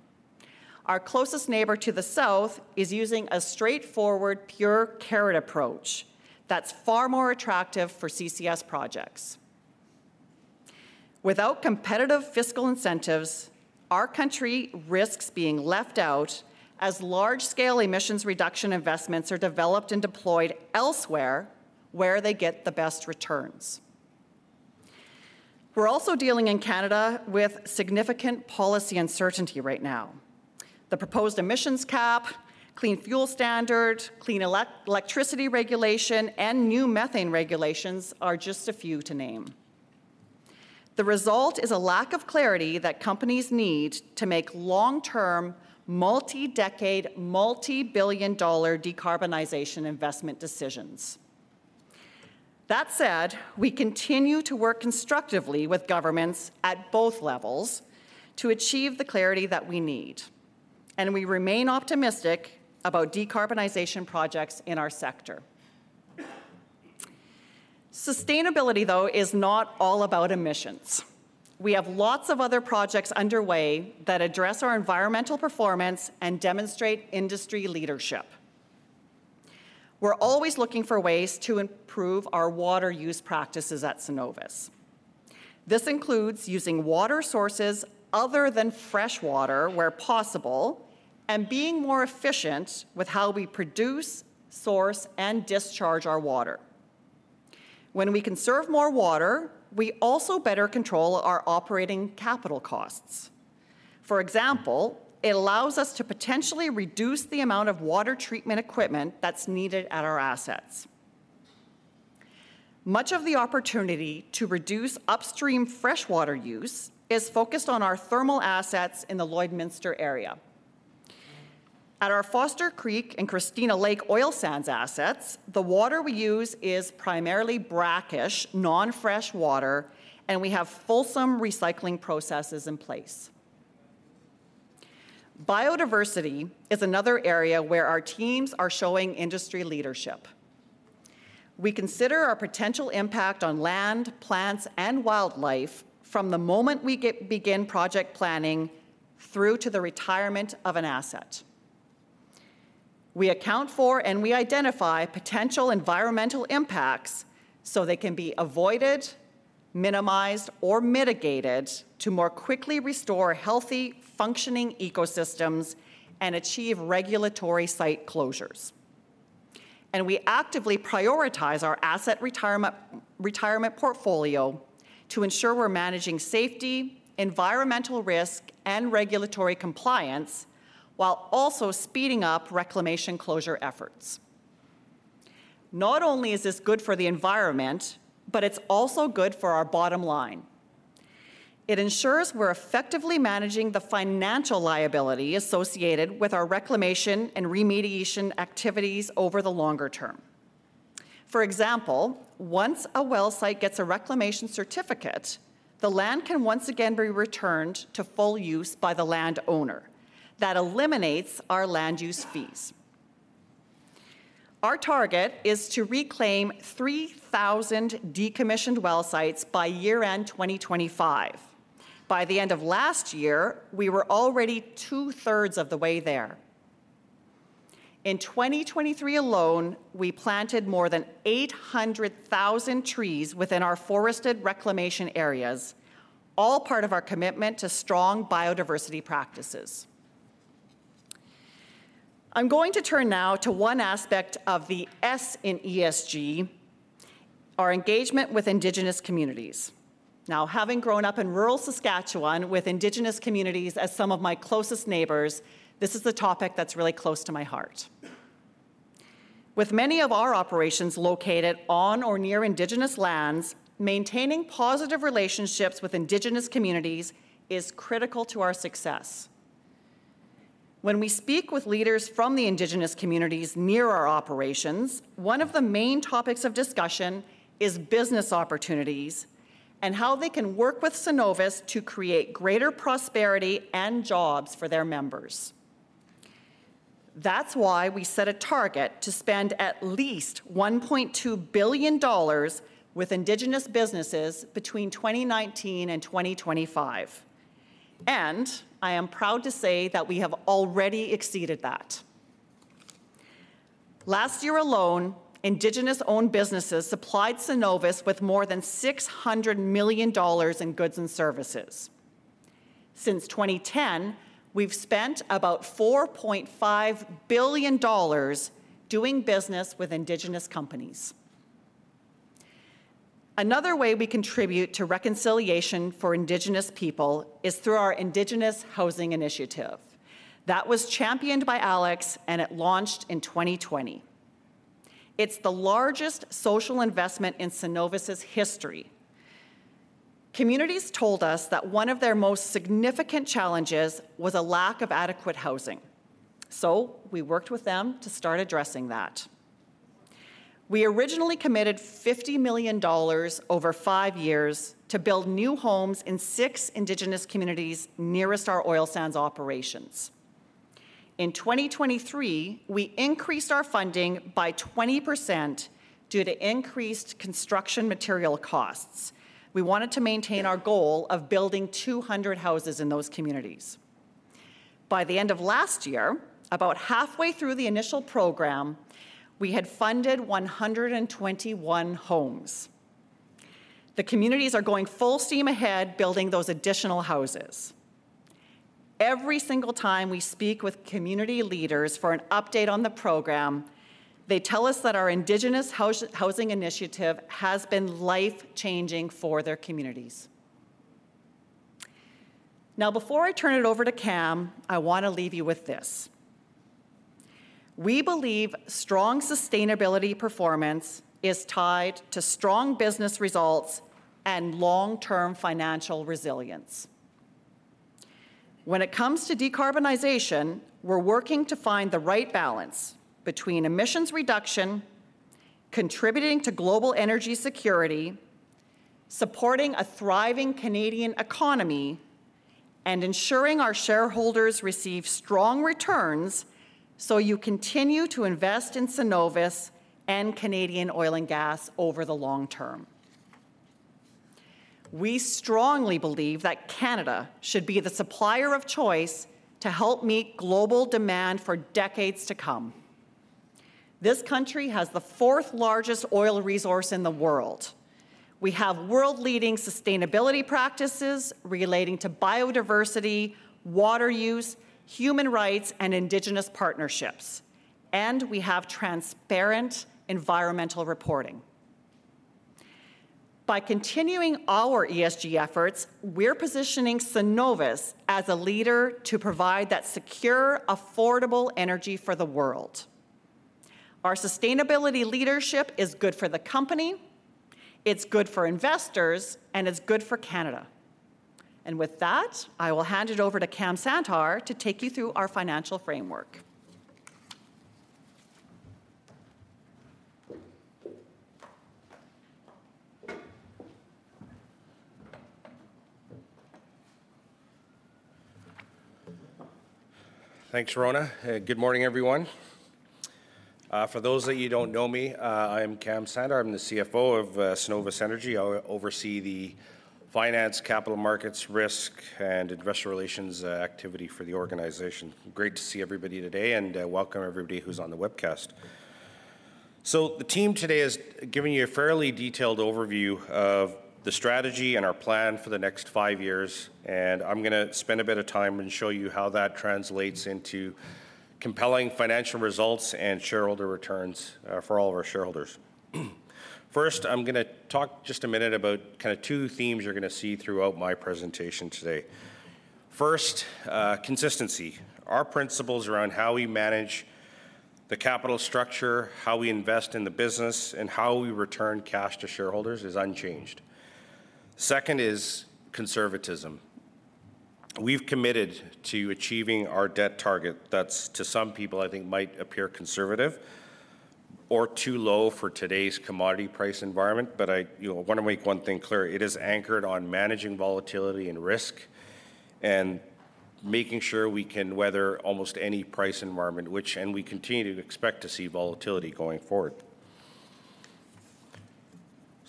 Our closest neighbor to the south is using a straightforward, pure carrot approach that's far more attractive for CCS projects. Without competitive fiscal incentives, our country risks being left out as large-scale emissions reduction investments are developed and deployed elsewhere where they get the best returns. We're also dealing in Canada with significant policy uncertainty right now. The proposed emissions cap, Clean Fuel Standard, Clean Electricity Regulation, and new methane regulations are just a few to name. The result is a lack of clarity that companies need to make long-term, multi-decade, multi-billion-dollar decarbonization investment decisions. That said, we continue to work constructively with governments at both levels to achieve the clarity that we need. We remain optimistic about decarbonization projects in our sector. Sustainability, though, is not all about emissions. We have lots of other projects underway that address our environmental performance and demonstrate industry leadership. We're always looking for ways to improve our water use practices at Cenovus. This includes using water sources other than freshwater where possible and being more efficient with how we produce, source, and discharge our water. When we conserve more water, we also better control our operating capital costs. For example, it allows us to potentially reduce the amount of water treatment equipment that's needed at our assets. Much of the opportunity to reduce upstream freshwater use is focused on our thermal assets in the Lloydminster area. At our Foster Creek and Christina Lake oil sands assets, the water we use is primarily brackish, non-fresh water, and we have fulsome recycling processes in place. Biodiversity is another area where our teams are showing industry leadership. We consider our potential impact on land, plants, and wildlife from the moment we begin project planning through to the retirement of an asset. We account for and we identify potential environmental impacts so they can be avoided, minimized, or mitigated to more quickly restore healthy, functioning ecosystems and achieve regulatory site closures. We actively prioritize our asset retirement portfolio to ensure we're managing safety, environmental risk, and regulatory compliance while also speeding up reclamation closure efforts. Not only is this good for the environment, but it's also good for our bottom line. It ensures we're effectively managing the financial liability associated with our reclamation and remediation activities over the longer term. For example, once a well site gets a reclamation certificate, the land can once again be returned to full use by the land owner. That eliminates our land use fees. Our target is to reclaim 3,000 decommissioned well sites by year-end 2025. By the end of last year, we were already two-thirds of the way there. In 2023 alone, we planted more than 800,000 trees within our forested reclamation areas, all part of our commitment to strong biodiversity practices. I'm going to turn now to one aspect of the S in ESG, our engagement with indigenous communities. Now, having grown up in rural Saskatchewan with indigenous communities as some of my closest neighbors, this is the topic that's really close to my heart. With many of our operations located on or near Indigenous lands, maintaining positive relationships with Indigenous communities is critical to our success. When we speak with leaders from the Indigenous communities near our operations, one of the main topics of discussion is business opportunities and how they can work with Cenovus to create greater prosperity and jobs for their members. That's why we set a target to spend at least 1.2 billion dollars with Indigenous businesses between 2019 and 2025. I am proud to say that we have already exceeded that. Last year alone, Indigenous-owned businesses supplied Cenovus with more than 600 million dollars in goods and services. Since 2010, we've spent about 4.5 billion dollars doing business with Indigenous companies. Another way we contribute to reconciliation for Indigenous people is through our Indigenous Housing Initiative. That was championed by Alex, and it launched in 2020. It's the largest social investment in Cenovus's history. Communities told us that one of their most significant challenges was a lack of adequate housing. So we worked with them to start addressing that. We originally committed 50 million dollars over 5 years to build new homes in six Indigenous communities nearest our oil sands operations. In 2023, we increased our funding by 20% due to increased construction material costs. We wanted to maintain our goal of building 200 houses in those communities. By the end of last year, about halfway through the initial program, we had funded 121 homes. The communities are going full steam ahead building those additional houses. Every single time we speak with community leaders for an update on the program, they tell us that our Indigenous Housing Initiative has been life-changing for their communities. Now, before I turn it over to Cam, I want to leave you with this. We believe strong sustainability performance is tied to strong business results and long-term financial resilience. When it comes to decarbonization, we're working to find the right balance between emissions reduction, contributing to global energy security, supporting a thriving Canadian economy, and ensuring our shareholders receive strong returns so you continue to invest in Cenovus and Canadian oil and gas over the long term. We strongly believe that Canada should be the supplier of choice to help meet global demand for decades to come. This country has the fourth-largest oil resource in the world. We have world-leading sustainability practices relating to biodiversity, water use, human rights, and Indigenous partnerships. And we have transparent environmental reporting. By continuing our ESG efforts, we're positioning Cenovus as a leader to provide that secure, affordable energy for the world. Our sustainability leadership is good for the company. It's good for investors, and it's good for Canada. With that, I will hand it over to Kam Sandhar to take you through our financial framework. Thanks, Rhona. Good morning, everyone. For those that you don't know me, I am Kam Sandhar. I'm the CFO of Cenovus Energy. I oversee the finance, capital markets, risk, and investor relations activity for the organization. Great to see everybody today, and welcome everybody who's on the webcast. So the team today is giving you a fairly detailed overview of the strategy and our plan for the next five years. And I'm going to spend a bit of time and show you how that translates into compelling financial results and shareholder returns for all of our shareholders. First, I'm going to talk just a minute about kind of two themes you're going to see throughout my presentation today. First, consistency. Our principles around how we manage the capital structure, how we invest in the business, and how we return cash to shareholders is unchanged. Second is conservatism. We've committed to achieving our debt target that's, to some people, I think, might appear conservative or too low for today's commodity price environment. But I want to make one thing clear. It is anchored on managing volatility and risk and making sure we can weather almost any price environment, and we continue to expect to see volatility going forward.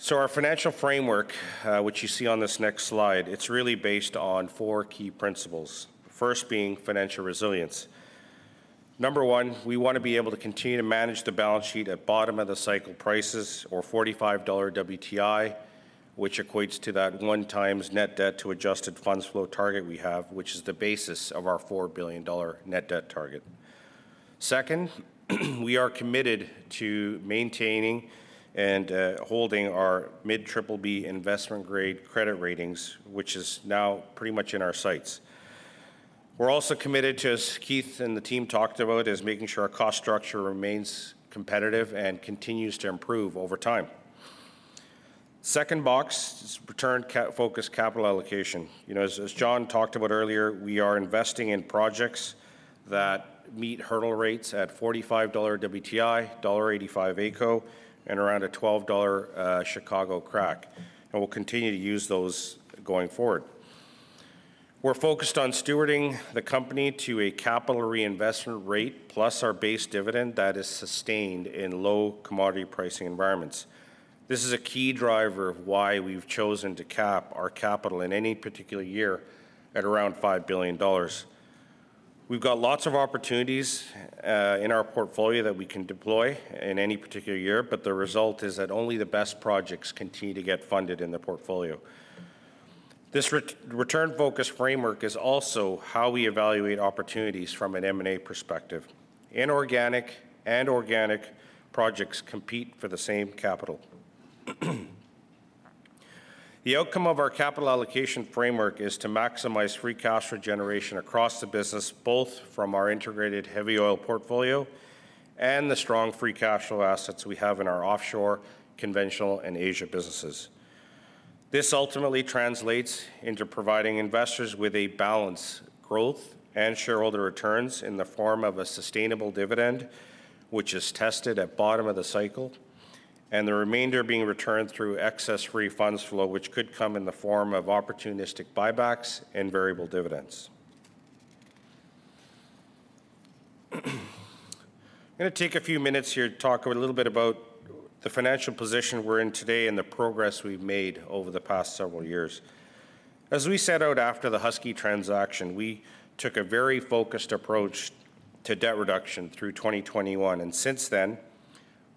So our financial framework, which you see on this next slide, it's really based on four key principles, the first being financial resilience. Number one, we want to be able to continue to manage the balance sheet at bottom of the cycle prices or $45 WTI, which equates to that 1x net debt to adjusted funds flow target we have, which is the basis of our $4 billion net debt target. Second, we are committed to maintaining and holding our mid-BBB investment-grade credit ratings, which is now pretty much in our sights. We're also committed to, as Keith and the team talked about, is making sure our cost structure remains competitive and continues to improve over time. Second box is return-focused capital allocation. As Jon talked about earlier, we are investing in projects that meet hurdle rates at $45 WTI, $1.85 AECO, and around a $12 Chicago crack. We'll continue to use those going forward. We're focused on stewarding the company to a capital reinvestment rate plus our base dividend that is sustained in low commodity pricing environments. This is a key driver of why we've chosen to cap our capital in any particular year at around $5 billion. We've got lots of opportunities in our portfolio that we can deploy in any particular year, but the result is that only the best projects continue to get funded in the portfolio. This return-focused framework is also how we evaluate opportunities from an M&A perspective. Inorganic and organic projects compete for the same capital. The outcome of our capital allocation framework is to maximize free cash regeneration across the business, both from our integrated heavy oil portfolio and the strong free cash flow assets we have in our offshore, conventional, and Asia businesses. This ultimately translates into providing investors with a balance: growth and shareholder returns in the form of a sustainable dividend, which is tested at bottom of the cycle, and the remainder being returned through excess free funds flow, which could come in the form of opportunistic buybacks and variable dividends. I'm going to take a few minutes here to talk a little bit about the financial position we're in today and the progress we've made over the past several years. As we set out after the Husky transaction, we took a very focused approach to debt reduction through 2021. Since then,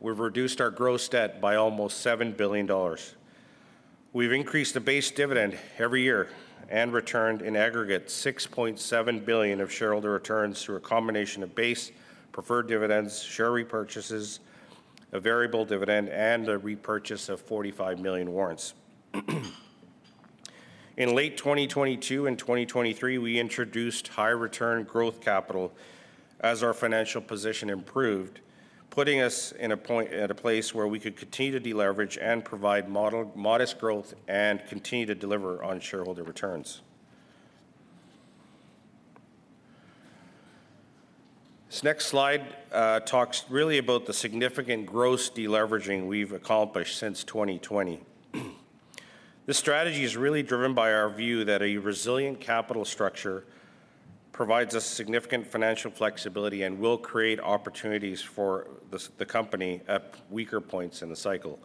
we've reduced our gross debt by almost 7 billion dollars. We've increased the base dividend every year and returned, in aggregate, 6.7 billion of shareholder returns through a combination of base preferred dividends, share repurchases, a variable dividend, and a repurchase of 45 million warrants. In late 2022 and 2023, we introduced high-return growth capital as our financial position improved, putting us at a place where we could continue to deleverage and provide modest growth and continue to deliver on shareholder returns. This next slide talks really about the significant gross deleveraging we've accomplished since 2020. This strategy is really driven by our view that a resilient capital structure provides us significant financial flexibility and will create opportunities for the company at weaker points in the cycle.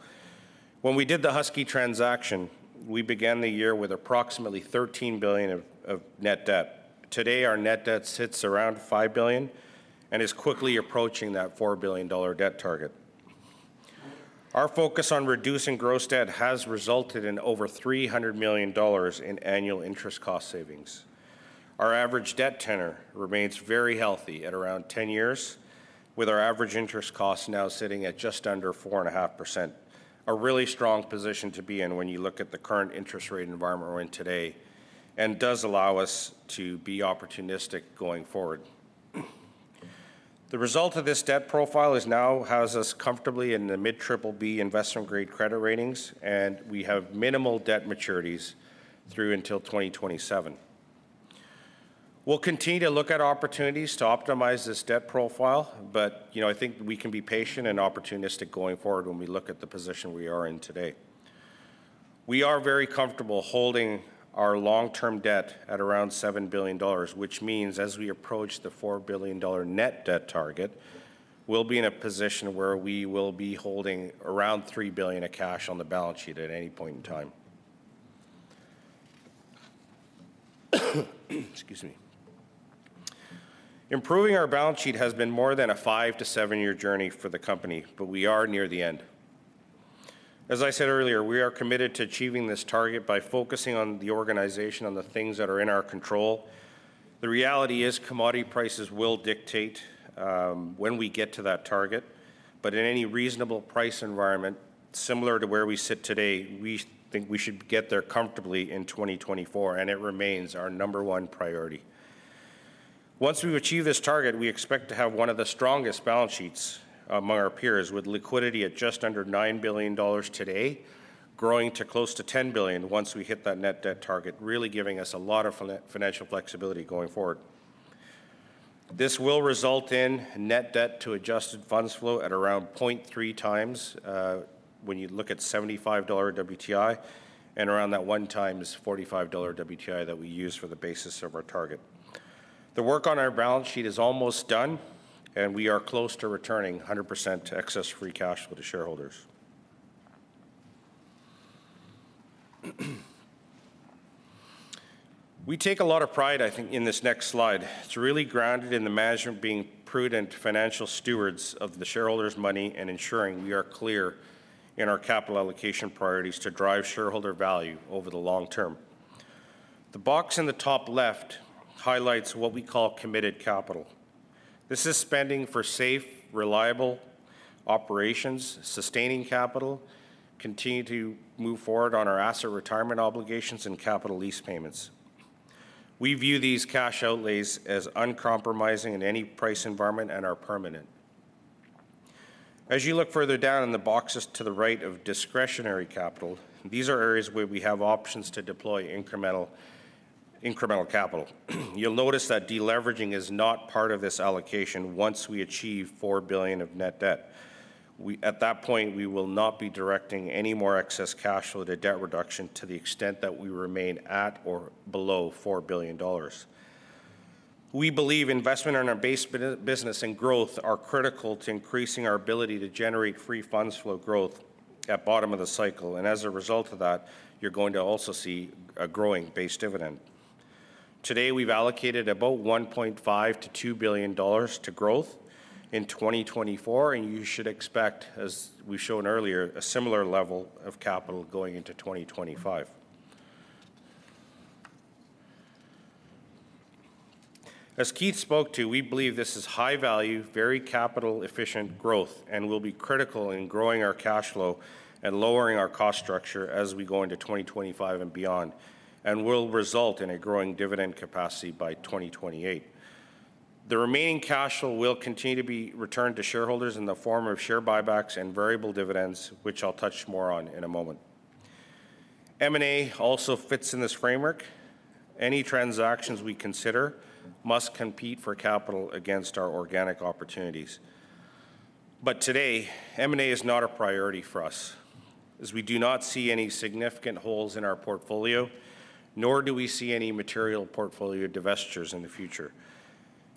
When we did the Husky transaction, we began the year with approximately 13 billion of net debt. Today, our net debt sits around 5 billion and is quickly approaching that 4 billion dollar debt target. Our focus on reducing gross debt has resulted in over 300 million dollars in annual interest cost savings. Our average debt tenor remains very healthy at around 10 years, with our average interest costs now sitting at just under 4.5%, a really strong position to be in when you look at the current interest rate environment we're in today and does allow us to be opportunistic going forward. The result of this debt profile now has us comfortably in the mid-BBB investment-grade credit ratings, and we have minimal debt maturities through until 2027. We'll continue to look at opportunities to optimize this debt profile, but I think we can be patient and opportunistic going forward when we look at the position we are in today. We are very comfortable holding our long-term debt at around 7 billion dollars, which means as we approach the 4 billion dollar net debt target, we'll be in a position where we will be holding around 3 billion of cash on the balance sheet at any point in time. Excuse me. Improving our balance sheet has been more than a five to seven-year journey for the company, but we are near the end. As I said earlier, we are committed to achieving this target by focusing on the organization, on the things that are in our control. The reality is commodity prices will dictate when we get to that target. But in any reasonable price environment similar to where we sit today, we think we should get there comfortably in 2024, and it remains our number one priority. Once we've achieved this target, we expect to have one of the strongest balance sheets among our peers, with liquidity at just under $9 billion today, growing to close to $10 billion once we hit that net debt target, really giving us a lot of financial flexibility going forward. This will result in net debt to adjusted funds flow at around 0.3 times when you look at $75 WTI and around that 1 times $45 WTI that we use for the basis of our target. The work on our balance sheet is almost done, and we are close to returning 100% excess free cash flow to shareholders. We take a lot of pride, I think, in this next slide. It's really grounded in the management being prudent financial stewards of the shareholders' money and ensuring we are clear in our capital allocation priorities to drive shareholder value over the long term. The box in the top left highlights what we call committed capital. This is spending for safe, reliable operations, sustaining capital, continuing to move forward on our asset retirement obligations, and capital lease payments. We view these cash outlays as uncompromising in any price environment and are permanent. As you look further down in the boxes to the right of discretionary capital, these are areas where we have options to deploy incremental capital. You'll notice that deleveraging is not part of this allocation once we achieve 4 billion of net debt. At that point, we will not be directing any more excess cash flow to debt reduction to the extent that we remain at or below 4 billion dollars. We believe investment in our base business and growth are critical to increasing our ability to generate free funds flow growth at bottom of the cycle. And as a result of that, you're going to also see a growing base dividend. Today, we've allocated about 1.5-2 billion dollars to growth in 2024, and you should expect, as we've shown earlier, a similar level of capital going into 2025. As Keith spoke to, we believe this is high-value, very capital-efficient growth and will be critical in growing our cash flow and lowering our cost structure as we go into 2025 and beyond, and will result in a growing dividend capacity by 2028. The remaining cash flow will continue to be returned to shareholders in the form of share buybacks and variable dividends, which I'll touch more on in a moment. M&A also fits in this framework. Any transactions we consider must compete for capital against our organic opportunities. But today, M&A is not a priority for us, as we do not see any significant holes in our portfolio, nor do we see any material portfolio divestitures in the future.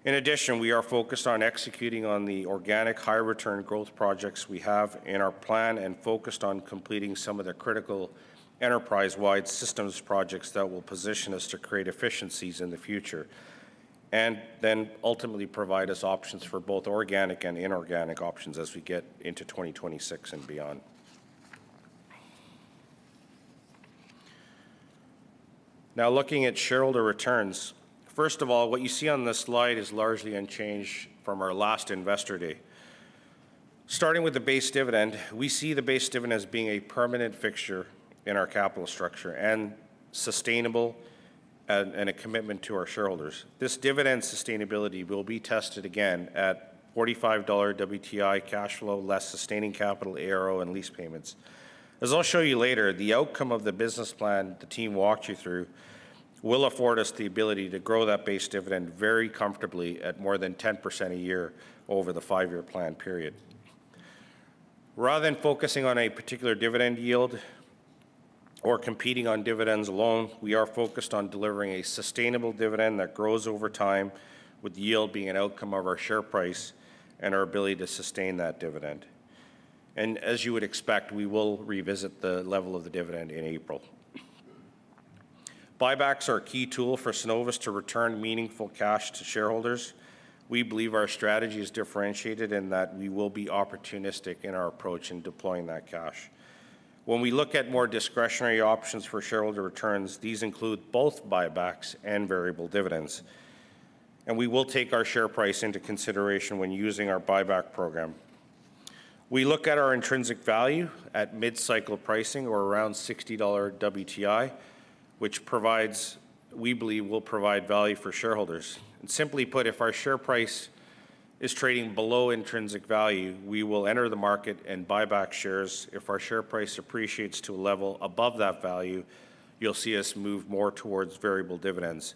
In addition, we are focused on executing on the organic high-return growth projects we have in our plan and focused on completing some of the critical enterprise-wide systems projects that will position us to create efficiencies in the future and then ultimately provide us options for both organic and inorganic options as we get into 2026 and beyond. Now, looking at shareholder returns, first of all, what you see on this slide is largely unchanged from our last investor day. Starting with the base dividend, we see the base dividend as being a permanent fixture in our capital structure and sustainable and a commitment to our shareholders. This dividend sustainability will be tested again at $45 WTI cash flow less sustaining capital, ARO, and lease payments. As I'll show you later, the outcome of the business plan the team walked you through will afford us the ability to grow that base dividend very comfortably at more than 10% a year over the five-year plan period. Rather than focusing on a particular dividend yield or competing on dividends alone, we are focused on delivering a sustainable dividend that grows over time, with yield being an outcome of our share price and our ability to sustain that dividend. As you would expect, we will revisit the level of the dividend in April. Buybacks are a key tool for Cenovus to return meaningful cash to shareholders. We believe our strategy is differentiated in that we will be opportunistic in our approach in deploying that cash. When we look at more discretionary options for shareholder returns, these include both buybacks and variable dividends. We will take our share price into consideration when using our buyback program. We look at our intrinsic value at mid-cycle pricing or around $60 WTI, which we believe will provide value for shareholders. Simply put, if our share price is trading below intrinsic value, we will enter the market and buy back shares. If our share price appreciates to a level above that value, you'll see us move more towards variable dividends,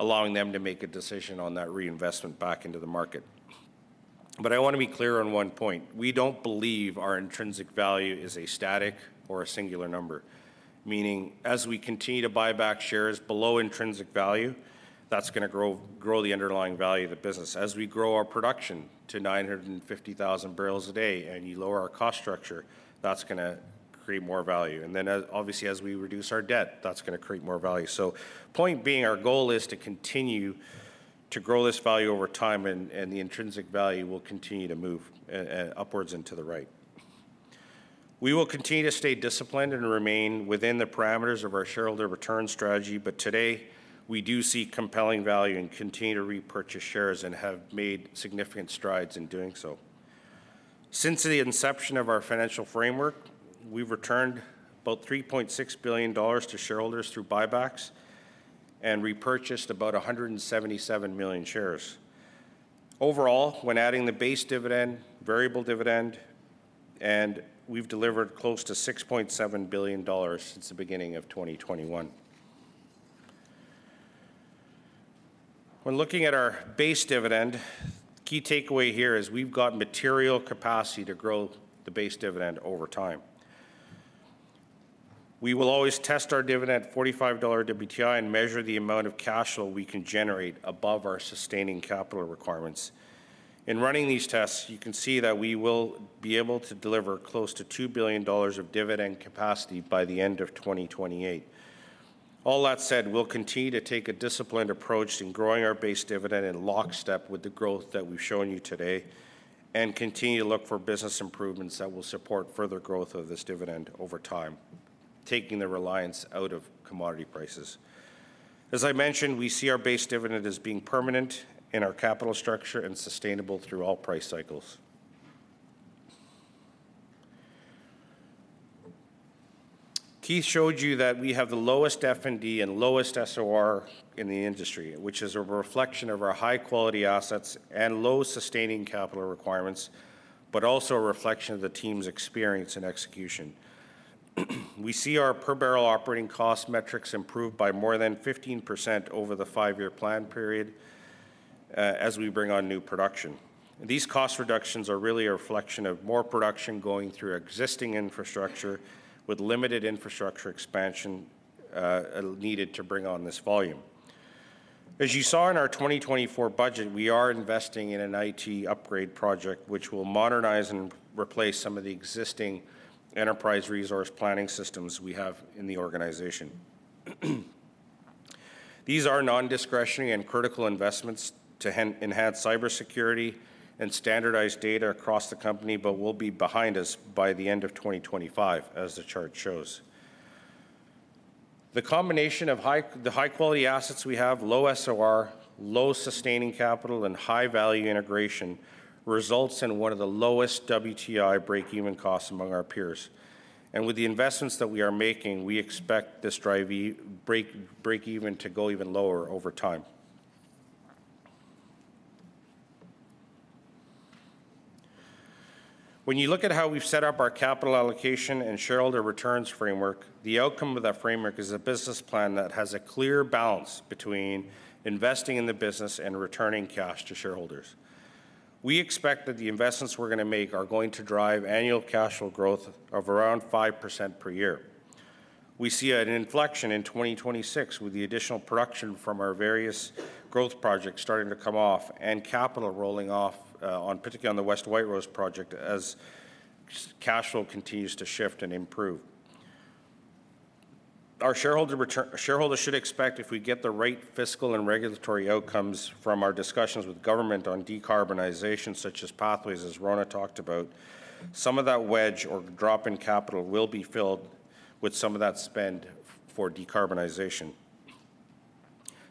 allowing them to make a decision on that reinvestment back into the market. I want to be clear on one point. We don't believe our intrinsic value is a static or a singular number, meaning as we continue to buy back shares below intrinsic value, that's going to grow the underlying value of the business. As we grow our production to 950,000 barrels a day and you lower our cost structure, that's going to create more value. Then obviously, as we reduce our debt, that's going to create more value. Point being, our goal is to continue to grow this value over time, and the intrinsic value will continue to move upwards and to the right. We will continue to stay disciplined and remain within the parameters of our shareholder return strategy. But today, we do see compelling value and continue to repurchase shares and have made significant strides in doing so. Since the inception of our financial framework, we've returned about 3.6 billion dollars to shareholders through buybacks and repurchased about 177 million shares. Overall, when adding the base dividend, variable dividend, we've delivered close to 6.7 billion dollars since the beginning of 2021. When looking at our base dividend, the key takeaway here is we've got material capacity to grow the base dividend over time. We will always test our dividend at $45 WTI and measure the amount of cash flow we can generate above our sustaining capital requirements. In running these tests, you can see that we will be able to deliver close to 2 billion dollars of dividend capacity by the end of 2028. All that said, we'll continue to take a disciplined approach in growing our base dividend in lockstep with the growth that we've shown you today and continue to look for business improvements that will support further growth of this dividend over time, taking the reliance out of commodity prices. As I mentioned, we see our base dividend as being permanent in our capital structure and sustainable through all price cycles. Keith showed you that we have the lowest F&D and lowest SOR in the industry, which is a reflection of our high-quality assets and low sustaining capital requirements, but also a reflection of the team's experience and execution. We see our per-barrel operating cost metrics improve by more than 15% over the five-year plan period as we bring on new production. These cost reductions are really a reflection of more production going through existing infrastructure with limited infrastructure expansion needed to bring on this volume. As you saw in our 2024 budget, we are investing in an IT upgrade project which will modernize and replace some of the existing enterprise resource planning systems we have in the organization. These are non-discretionary and critical investments to enhance cybersecurity and standardize data across the company, but will be behind us by the end of 2025, as the chart shows. The combination of the high-quality assets we have, low SOR, low sustaining capital, and high-value integration results in one of the lowest WTI break-even costs among our peers. With the investments that we are making, we expect this break-even to go even lower over time. When you look at how we've set up our capital allocation and shareholder returns framework, the outcome of that framework is a business plan that has a clear balance between investing in the business and returning cash to shareholders. We expect that the investments we're going to make are going to drive annual cash flow growth of around 5% per year. We see an inflection in 2026 with the additional production from our various growth projects starting to come off and capital rolling off, particularly on the West White Rose project, as cash flow continues to shift and improve. Our shareholders should expect if we get the right fiscal and regulatory outcomes from our discussions with government on decarbonization, such as Pathways as Rona talked about, some of that wedge or drop in capital will be filled with some of that spend for decarbonization.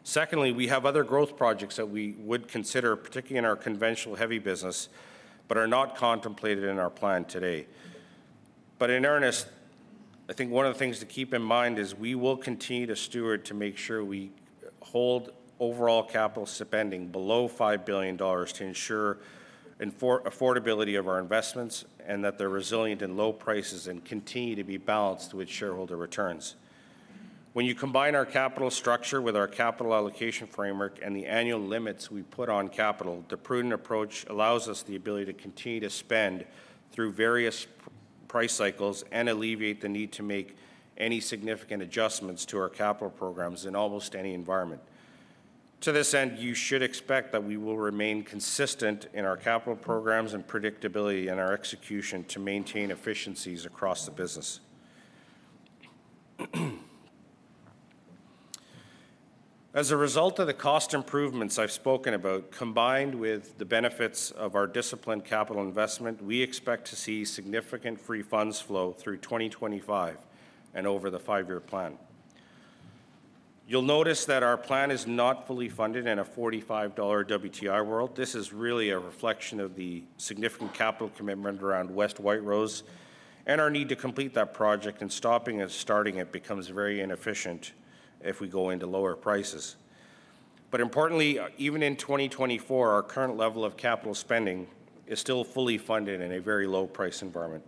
Secondly, we have other growth projects that we would consider, particularly in our conventional heavy business, but are not contemplated in our plan today. But in earnest, I think one of the things to keep in mind is we will continue to steward to make sure we hold overall capital spending below 5 billion dollars to ensure affordability of our investments and that they're resilient in low prices and continue to be balanced with shareholder returns. When you combine our capital structure with our capital allocation framework and the annual limits we put on capital, the prudent approach allows us the ability to continue to spend through various price cycles and alleviate the need to make any significant adjustments to our capital programs in almost any environment. To this end, you should expect that we will remain consistent in our capital programs and predictability in our execution to maintain efficiencies across the business. As a result of the cost improvements I've spoken about, combined with the benefits of our disciplined capital investment, we expect to see significant free funds flow through 2025 and over the five-year plan. You'll notice that our plan is not fully funded in a $45 WTI world. This is really a reflection of the significant capital commitment around West White Rose and our need to complete that project, and stopping and starting it becomes very inefficient if we go into lower prices. Importantly, even in 2024, our current level of capital spending is still fully funded in a very low price environment.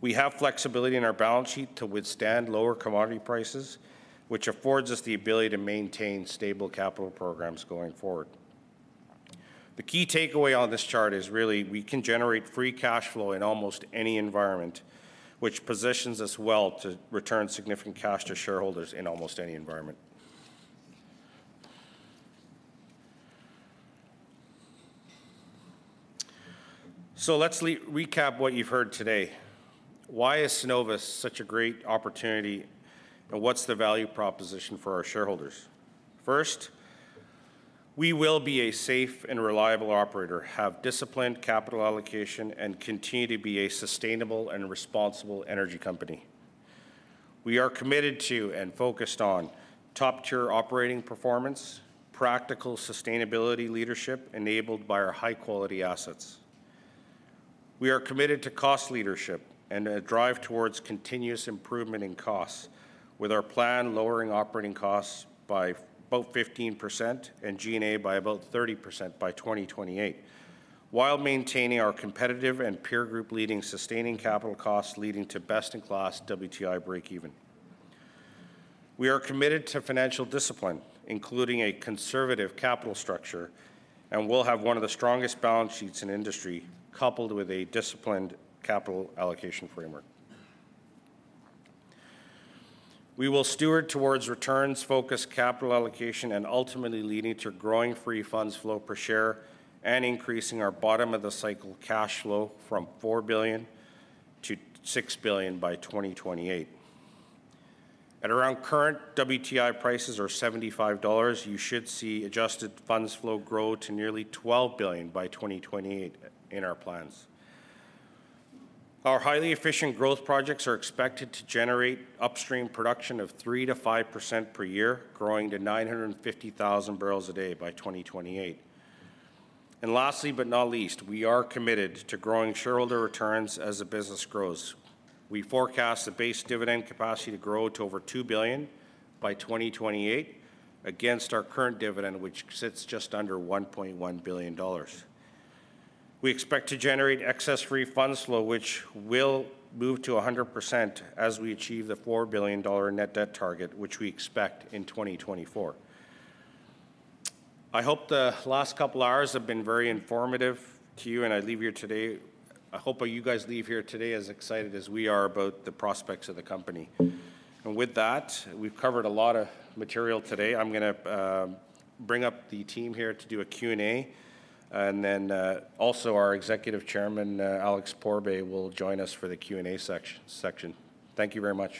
We have flexibility in our balance sheet to withstand lower commodity prices, which affords us the ability to maintain stable capital programs going forward. The key takeaway on this chart is really we can generate free cash flow in almost any environment, which positions us well to return significant cash to shareholders in almost any environment. Let's recap what you've heard today. Why is Cenovus such a great opportunity, and what's the value proposition for our shareholders? First, we will be a safe and reliable operator, have disciplined capital allocation, and continue to be a sustainable and responsible energy company. We are committed to and focused on top-tier operating performance, practical sustainability leadership enabled by our high-quality assets. We are committed to cost leadership and a drive towards continuous improvement in costs with our plan lowering operating costs by about 15% and G&A by about 30% by 2028 while maintaining our competitive and peer group-leading sustaining capital costs leading to best-in-class WTI break-even. We are committed to financial discipline, including a conservative capital structure, and will have one of the strongest balance sheets in industry coupled with a disciplined capital allocation framework. We will steward towards returns-focused capital allocation and ultimately leading to growing free funds flow per share and increasing our bottom-of-the-cycle cash flow from $4-$6 billion by 2028. At around current WTI prices or $75, you should see adjusted funds flow grow to nearly 12 billion by 2028 in our plans. Our highly efficient growth projects are expected to generate upstream production of 3%-5% per year, growing to 950,000 barrels a day by 2028. Lastly but not least, we are committed to growing shareholder returns as the business grows. We forecast the base dividend capacity to grow to over 2 billion by 2028 against our current dividend, which sits just under 1.1 billion dollars. We expect to generate excess free funds flow, which will move to 100% as we achieve the 4 billion dollar net debt target, which we expect in 2024. I hope the last couple of hours have been very informative to you, and I leave you today. I hope you guys leave here today as excited as we are about the prospects of the company. With that, we've covered a lot of material today. I'm going to bring up the team here to do a Q&A, and then also our Executive Chairman, Alex Pourbaix, will join us for the Q&A section. Thank you very much.